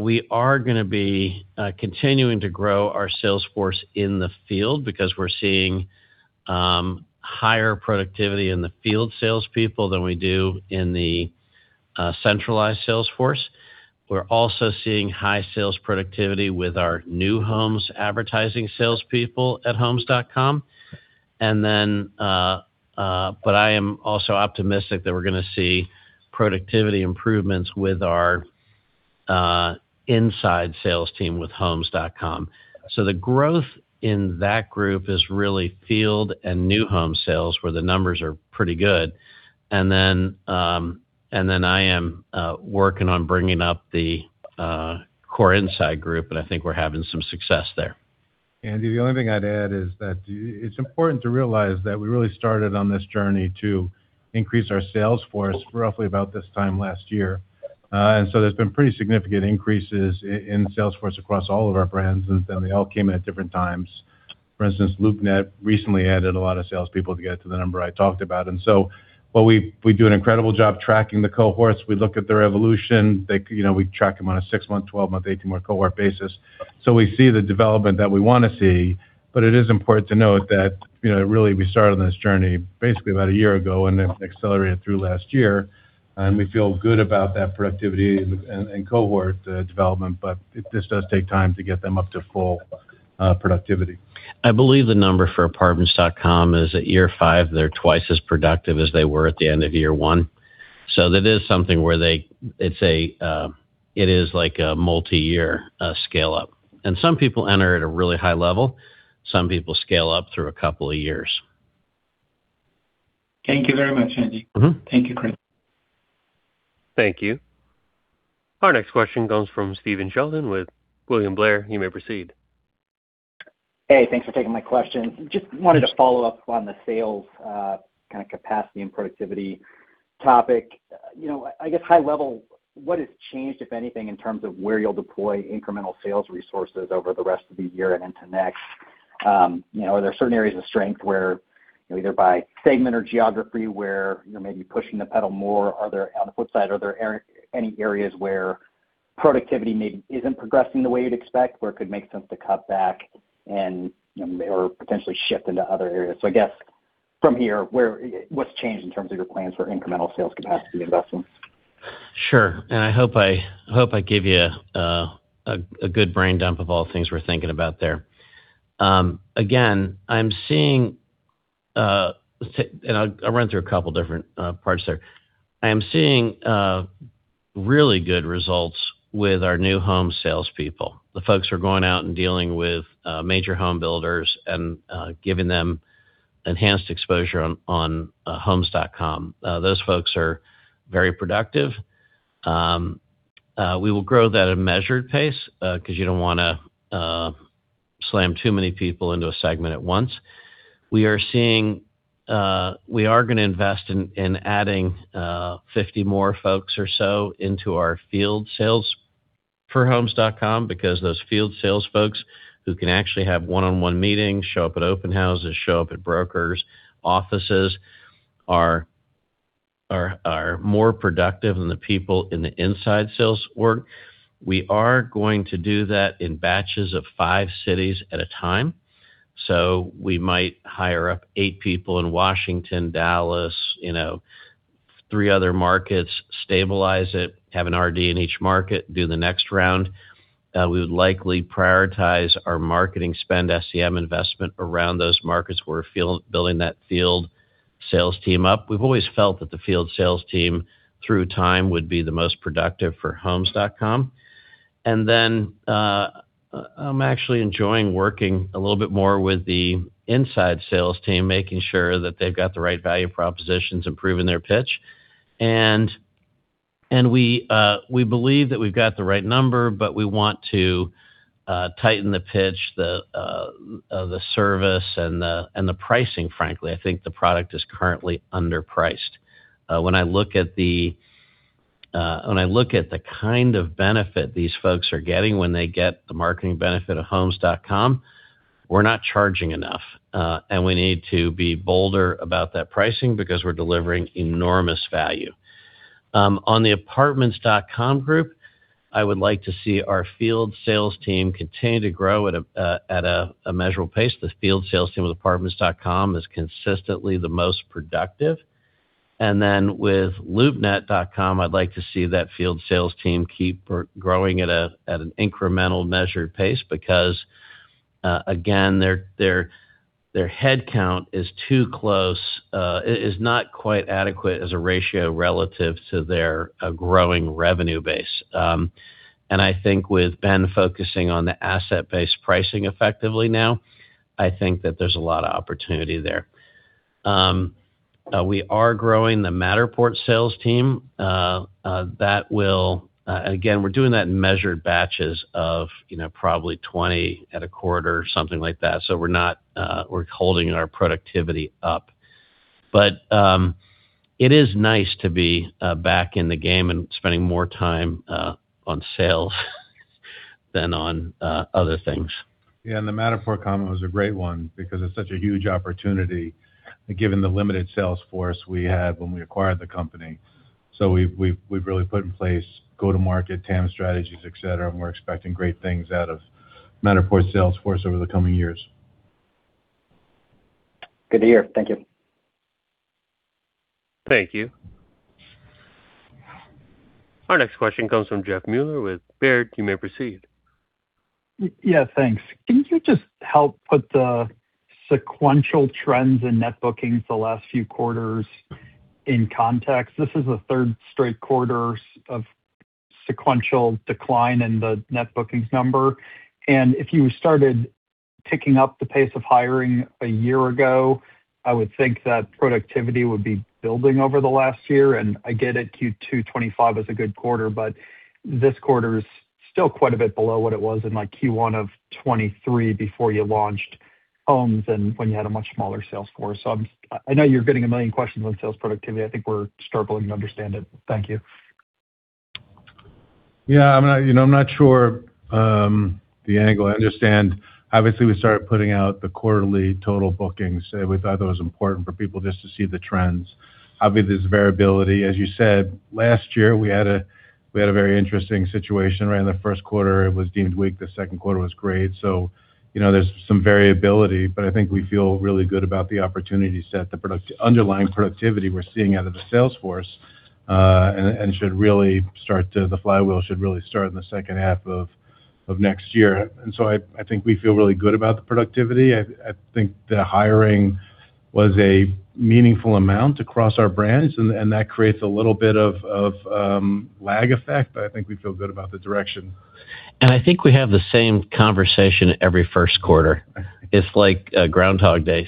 we are gonna be continuing to grow our sales force in the field because we're seeing higher productivity in the field salespeople than we do in the centralized sales force. We're also seeing high sales productivity with our new homes advertising salespeople at Homes.com. I am also optimistic that we're gonna see productivity improvements with our inside sales team with Homes.com. The growth in that group is really field and new home sales, where the numbers are pretty good. I am working on bringing up the core inside group, and I think we're having some success there. Andy, the only thing I'd add is that it's important to realize that we really started on this journey to increase our sales force roughly about this time last year. There's been pretty significant increases in sales force across all of our brands, and they all came in at different times. For instance, LoopNet recently added a lot of sales people to get to the number I talked about. While we do an incredible job tracking the cohorts, we look at their evolution. They, you know, we track them on a six-month, 12-month, 18-month cohort basis. We see the development that we wanna see. It is important to note that, you know, really we started on this journey basically about a year ago and then accelerated through last year. We feel good about that productivity and cohort, development, but it just does take time to get them up to full productivity. I believe the number for Apartments.com is at year five, they're twice as productive as they were at the end of year one. That is something where it's a, it is like a multi-year scale-up. Some people enter at a really high level. Some people scale up through a couple of years. Thank you very much, Andy. Mm-hmm. Thank you, Chris. Thank you. Our next question comes from Stephen Sheldon with William Blair. You may proceed. Hey, thanks for taking my question. Just wanted to follow-up on the sales, kind of capacity and productivity. Topic, you know, I guess high level, what has changed, if anything, in terms of where you'll deploy incremental sales resources over the rest of the year and into next? You know, are there certain areas of strength where, you know, either by segment or geography where you're maybe pushing the pedal more? On the flip side, are there any areas where productivity maybe isn't progressing the way you'd expect, where it could make sense to cut back and, you know, or potentially shift into other areas? I guess from here, where, what's changed in terms of your plans for incremental sales capacity investments? Sure. I hope I give you a good brain dump of all things we're thinking about there. Again, I'm seeing, and I'll run through a couple different parts there. I am seeing really good results with our new home salespeople. The folks who are going out and dealing with major home builders and giving them enhanced exposure on homes.com. Those folks are very productive. We will grow that at a measured pace 'cause you don't wanna slam too many people into a segment at once. We are gonna invest in adding 50 more folks or so into our field sales for homes.com because those field sales folks who can actually have one-on-one meetings, show up at open houses, show up at brokers' offices, are more productive than the people in the inside sales org. We are going to do that in batches of five cities at a time. We might hire up eight people in Washington, Dallas, you know, 3 other markets, stabilize it, have an RD in each market, do the next round. We would likely prioritize our marketing spend SEM investment around those markets. We're building that field sales team up. We've always felt that the field sales team, through time, would be the most productive for homes.com. I'm actually enjoying working a little bit more with the inside sales team, making sure that they've got the right value propositions, improving their pitch. We believe that we've got the right number, but we want to tighten the pitch, the service and the pricing, frankly. I think the product is currently underpriced. When I look at the, when I look at the kind of benefit these folks are getting when they get the marketing benefit of Homes.com, we're not charging enough, and we need to be bolder about that pricing because we're delivering enormous value. On the Apartments.com group, I would like to see our field sales team continue to grow at a measurable pace. The field sales team with Apartments.com is consistently the most productive. With loopnet.com, I'd like to see that field sales team keep growing at an incremental measured pace because again, their head count is too close, is not quite adequate as a ratio relative to their growing revenue base. I think with Ben focusing on the asset-based pricing effectively now, I think that there's a lot of opportunity there. We are growing the Matterport sales team. Again, we're doing that in measured batches of, you know, probably 20 at a quarter or something like that. We're not, we're holding our productivity up. It is nice to be back in the game and spending more time on sales than on other things. Yeah, and the Matterport comment was a great one because it's such a huge opportunity, given the limited sales force we had when we acquired the company. We've really put in place go-to-market TAM strategies, et cetera, and we're expecting great things out of Matterport sales force over the coming years. Good to hear. Thank you. Thank you. Our next question comes from Jeff Meuler with Baird. You may proceed. Yeah, thanks. Can you just help put the sequential trends in net bookings the last few quarters in context? This is the third straight quarter of sequential decline in the net bookings number. If you started picking up the pace of hiring a year ago, I would think that productivity would be building over the last year. I get it, Q2 2025 was a good quarter, but this quarter is still quite a bit below what it was in, like, Q1 2023 before you launched Homes and when you had a much smaller sales force. I'm just. I know you're getting a million questions on sales productivity. I think we're struggling to understand it. Thank you. Yeah. I'm not, you know, I'm not sure the angle. I understand obviously we started putting out the quarterly total bookings. We thought that was important for people just to see the trends. Obviously, there's variability. As you said, last year we had a very interesting situation, right? In the first quarter, it was deemed weak. The second quarter was great. You know, there's some variability. I think we feel really good about the opportunity set, the underlying productivity we're seeing out of the sales force, and the flywheel should really start in the second half of next year. I think we feel really good about the productivity. I think the hiring was a meaningful amount across our brands and that creates a little bit of lag effect, but I think we feel good about the direction. I think we have the same conversation every first quarter. It's like Groundhog Day.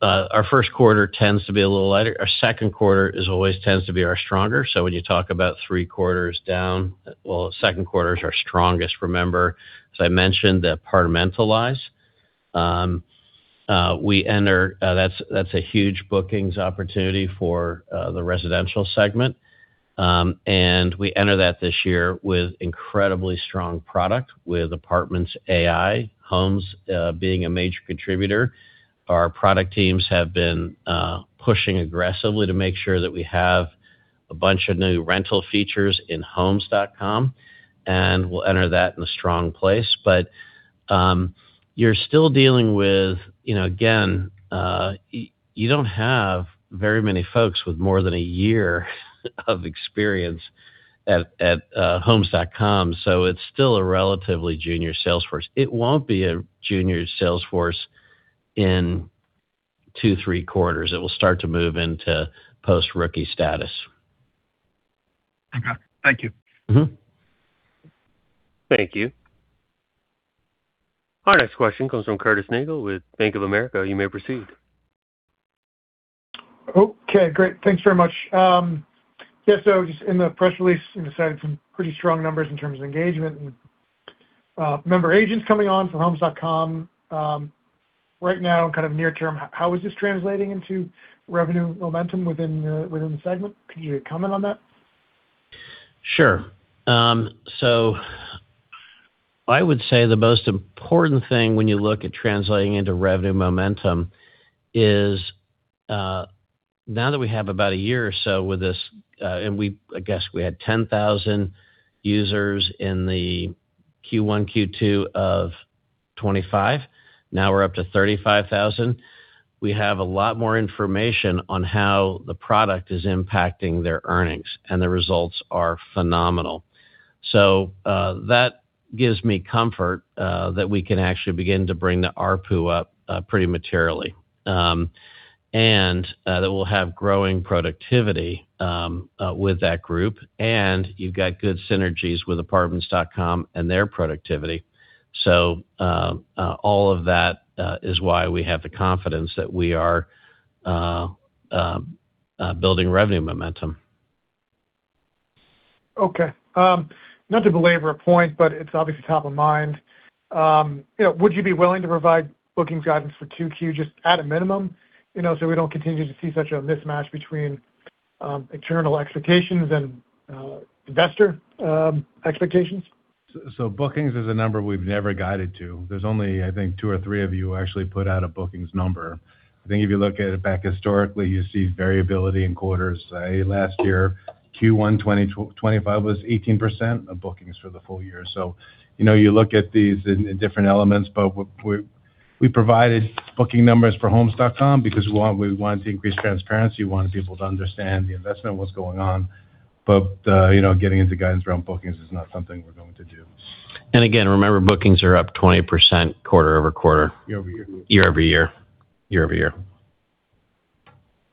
Our first quarter tends to be a little lighter. Our second quarter always tends to be our stronger. When you talk about three quarters down, well, second quarter is our strongest. Remember, as I mentioned, the Apartmentalize. That's a huge bookings opportunity for the residential segment. We enter that this year with incredibly strong product with Apartments AI, Homes being a major contributor. Our product teams have been pushing aggressively to make sure that we have a bunch of new rental features in Homes.com, and we'll enter that in a strong place. You're still dealing with, you know, again, you don't have very many folks with more than a year of experience at Homes.com, so it's still a relatively junior sales force. It won't be a junior sales force in two, three quarters. It will start to move into post-rookie status. Okay. Thank you. Mm-hmm. Thank you. Our next question comes from Curtis Nagle with Bank of America. You may proceed. Okay, great. Thanks very much. Yeah, just in the press release, you cited some pretty strong numbers in terms of engagement and member agents coming on from Homes.com. Right now, kind of near-term, how is this translating into revenue momentum within the segment? Could you comment on that? Sure. I would say the most important thing when you look at translating into revenue momentum is, now that we have about a year or so with this, I guess we had 10,000 users in the Q1, Q2 of 2025. Now we're up to 35,000. We have a lot more information on how the product is impacting their earnings, and the results are phenomenal. That gives me comfort, that we can actually begin to bring the ARPU up, pretty materially. And that we'll have growing productivity, with that group. And you've got good synergies with apartments.com and their productivity. All of that is why we have the confidence that we are, building revenue momentum. Okay. Not to belabor a point, but it's obviously top of mind. You know, would you be willing to provide bookings guidance for 2Q just at a minimum? You know, so we don't continue to see such a mismatch between internal expectations and investor expectations. Bookings is a number we've never guided to. There's only, I think, two or three of you actually put out a bookings number. I think if you look at it back historically, you see variability in quarters. Last year, Q1 2025 was 18% of bookings for the full year. You know, you look at these in different elements, but we provided booking numbers for homes.com because we wanted to increase transparency. We wanted people to understand the investment, what's going on. You know, getting into guidance around bookings is not something we're going to do. Again, remember, bookings are up 20% quarter-over-quarter. Year-over-year. Year-over-year. Year-over-year.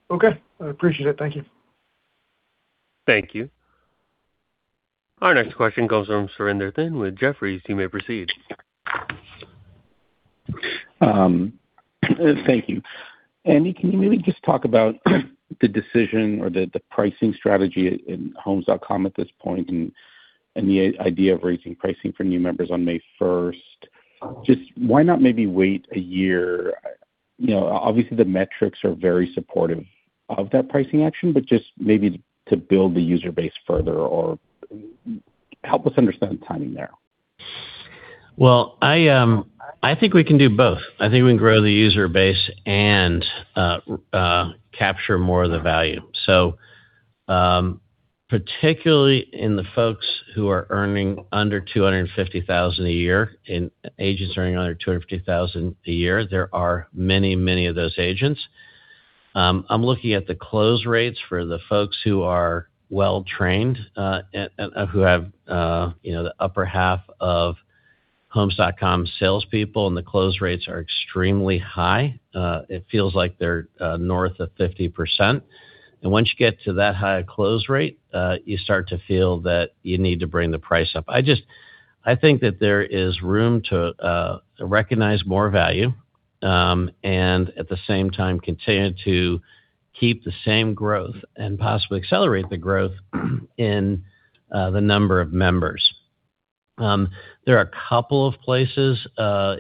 Okay. I appreciate it. Thank you. Thank you. Our next question comes from Surinder Thind with Jefferies. You may proceed. Thank you. Andy, can you maybe just talk about the decision or the pricing strategy in Homes.com at this point and the idea of raising pricing for new members on May first? Just why not maybe wait a year? You know, obviously, the metrics are very supportive of that pricing action, but just maybe to build the user base further or help us understand the timing there. I think we can do both. I think we can grow the user base and capture more of the value. Particularly in the folks who are earning under $250,000 a year, in agents earning under $250,000 a year, there are many, many of those agents. I'm looking at the close rates for the folks who are well-trained and who have, you know, the upper half of Homes.com salespeople, and the close rates are extremely high. It feels like they're north of 50%. Once you get to that high a close rate, you start to feel that you need to bring the price up. I think that there is room to recognize more value, and at the same time, continue to keep the same growth and possibly accelerate the growth in the number of members. There are a couple of places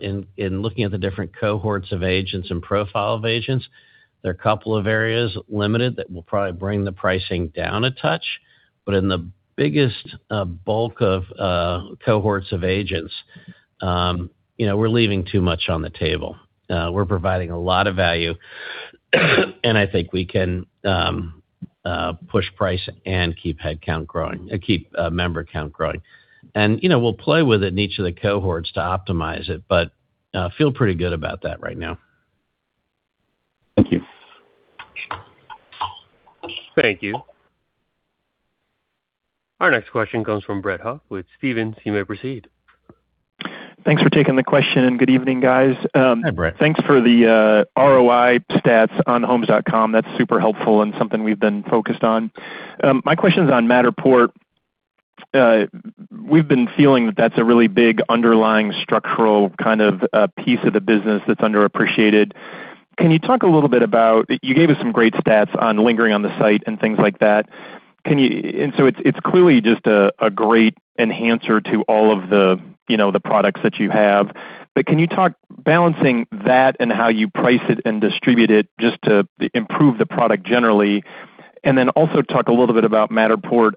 in looking at the different cohorts of agents and profile of agents. There are a couple of areas limited that will probably bring the pricing down a touch. In the biggest bulk of cohorts of agents, you know, we're leaving too much on the table. We're providing a lot of value, and I think we can push pricing and keep headcount growing, keep member count growing. You know, we'll play with it in each of the cohorts to optimize it, but feel pretty good about that right now. Thank you. Thank you. Our next question comes from Brett Huff with Stephens. You may proceed. Thanks for taking the question, and good evening, guys. Hi, Brett. Thanks for the ROI stats on Homes.com. That's super helpful and something we've been focused on. My question is on Matterport. We've been feeling that that's a really big underlying structural kind of piece of the business that's underappreciated. You gave us some great stats on lingering on the site and things like that. It's clearly just a great enhancer to all of the, you know, the products that you have. Can you talk balancing that and how you price it and distribute it just to improve the product generally? Also talk a little bit about Matterport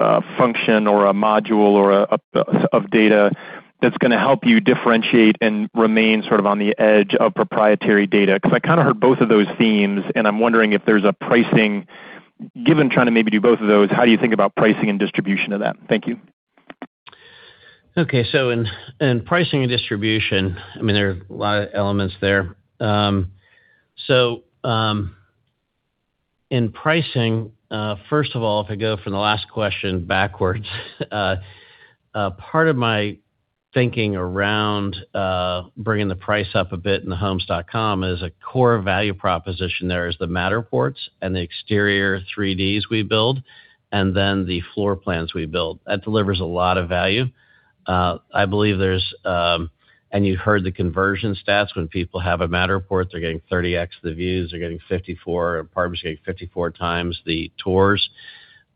as a function or a module or of data that's gonna help you differentiate and remain sort of on the edge of proprietary data. 'Cause I kinda heard both of those themes, and I'm wondering if there's a pricing. Given trying to maybe do both of those, how do you think about pricing and distribution of that? Thank you. Okay. In pricing and distribution, I mean, there are a lot of elements there. In pricing, first of all, if I go from the last question backwards, part of my thinking around bringing the price up a bit in homes.com is a core value proposition. There is the Matterports and the exterior 3D's we build, and then the floor plans we build. That delivers a lot of value. I believe there's. You heard the conversion stats. When people have a Matterport, they're getting 30x the views, getting 54 times the tours.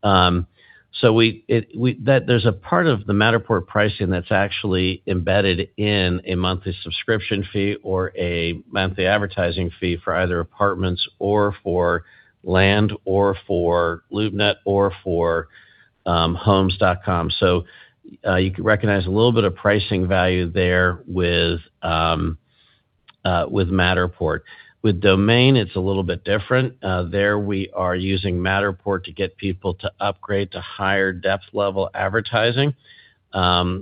There's a part of the Matterport pricing that's actually embedded in a monthly subscription fee or a monthly advertising fee for either Apartments.com or for Land.com or for LoopNet or for homes.com. You can recognize a little bit of pricing value there with Matterport. With Domain, it's a little bit different. There we are using Matterport to get people to upgrade to higher depth level advertising. You're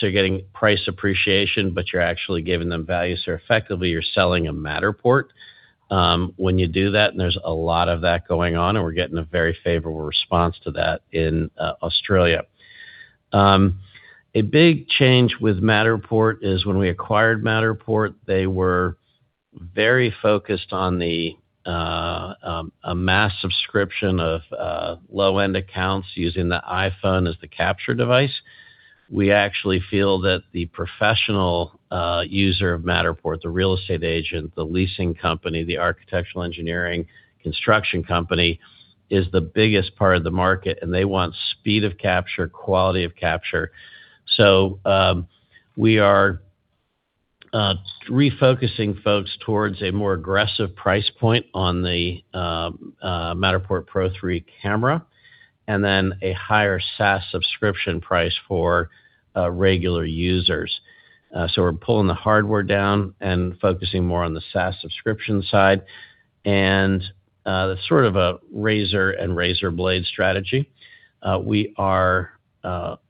getting price appreciation, but you're actually giving them value, so effectively you're selling a Matterport when you do that, and there's a lot of that going on, and we're getting a very favorable response to that in Australia. A big change with Matterport is when we acquired Matterport, they were very focused on the a mass subscription of low-end accounts using the iPhone as the capture device. We actually feel that the professional user of Matterport, the real estate agent, the leasing company, the architectural engineering construction company, is the biggest part of the market, and they want speed of capture, quality of capture. We are refocusing folks towards a more aggressive price point on the Matterport Pro3 camera, and then a higher SaaS subscription price for regular users. We're pulling the hardware down and focusing more on the SaaS subscription side. That's sort of a razor and razor blade strategy. We are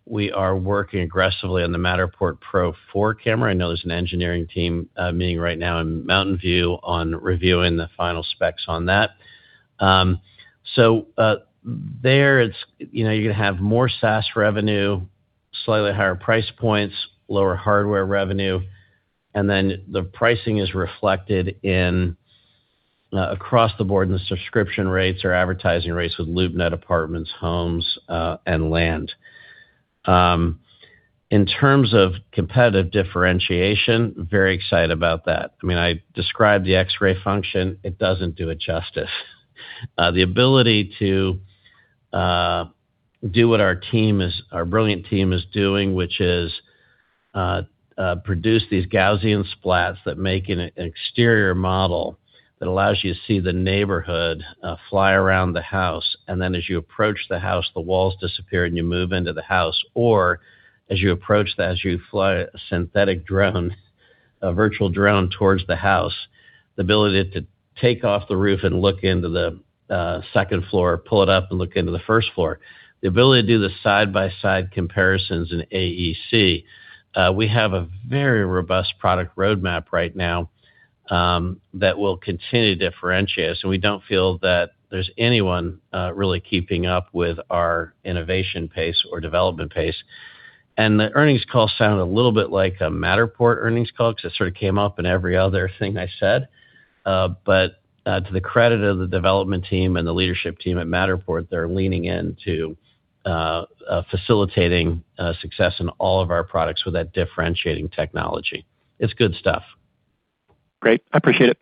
working aggressively on the Matterport Pro4 camera. I know there's an engineering team meeting right now in Mountain View on reviewing the final specs on that. There it's, you know, you're gonna have more SaaS revenue, slightly higher price points, lower hardware revenue, and then the pricing is reflected in across the board in the subscription rates or advertising rates with LoopNet Apartments.com, Homes.com, and Land.com. In terms of competitive differentiation, very excited about that. I mean, I described the X-ray function. It doesn't do it justice. The ability to do what our team is, our brilliant team is doing, which is produce these Gaussian splats that make an exterior model that allows you to see the neighborhood, fly around the house, and then as you approach the house, the walls disappear and you move into the house. As you approach that, as you fly a synthetic drone, a virtual drone towards the house, the ability to take off the roof and look into the second floor, pull it up and look into the first floor. The ability to do the side-by-side comparisons in AEC. We have a very robust product roadmap right now, that will continue to differentiate, so we don't feel that there's anyone really keeping up with our innovation pace or development pace. The earnings call sounded a little bit like a Matterport earnings call, 'cause it sort of came up in every other thing I said. But, to the credit of the development team and the leadership team at Matterport, they're leaning in to facilitating success in all of our products with that differentiating technology. It's good stuff. Great. I appreciate it.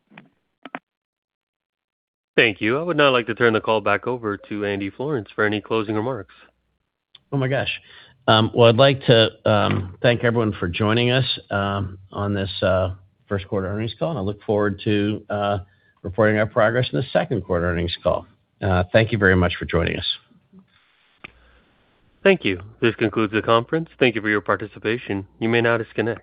Thank you. I would now like to turn the call back over to Andy Florance for any closing remarks. Oh my gosh. Well, I'd like to thank everyone for joining us on this first quarter earnings call, and I look forward to reporting our progress in the second quarter earnings call. Thank you very much for joining us. Thank you. This concludes the conference. Thank you for your participation. You may now disconnect.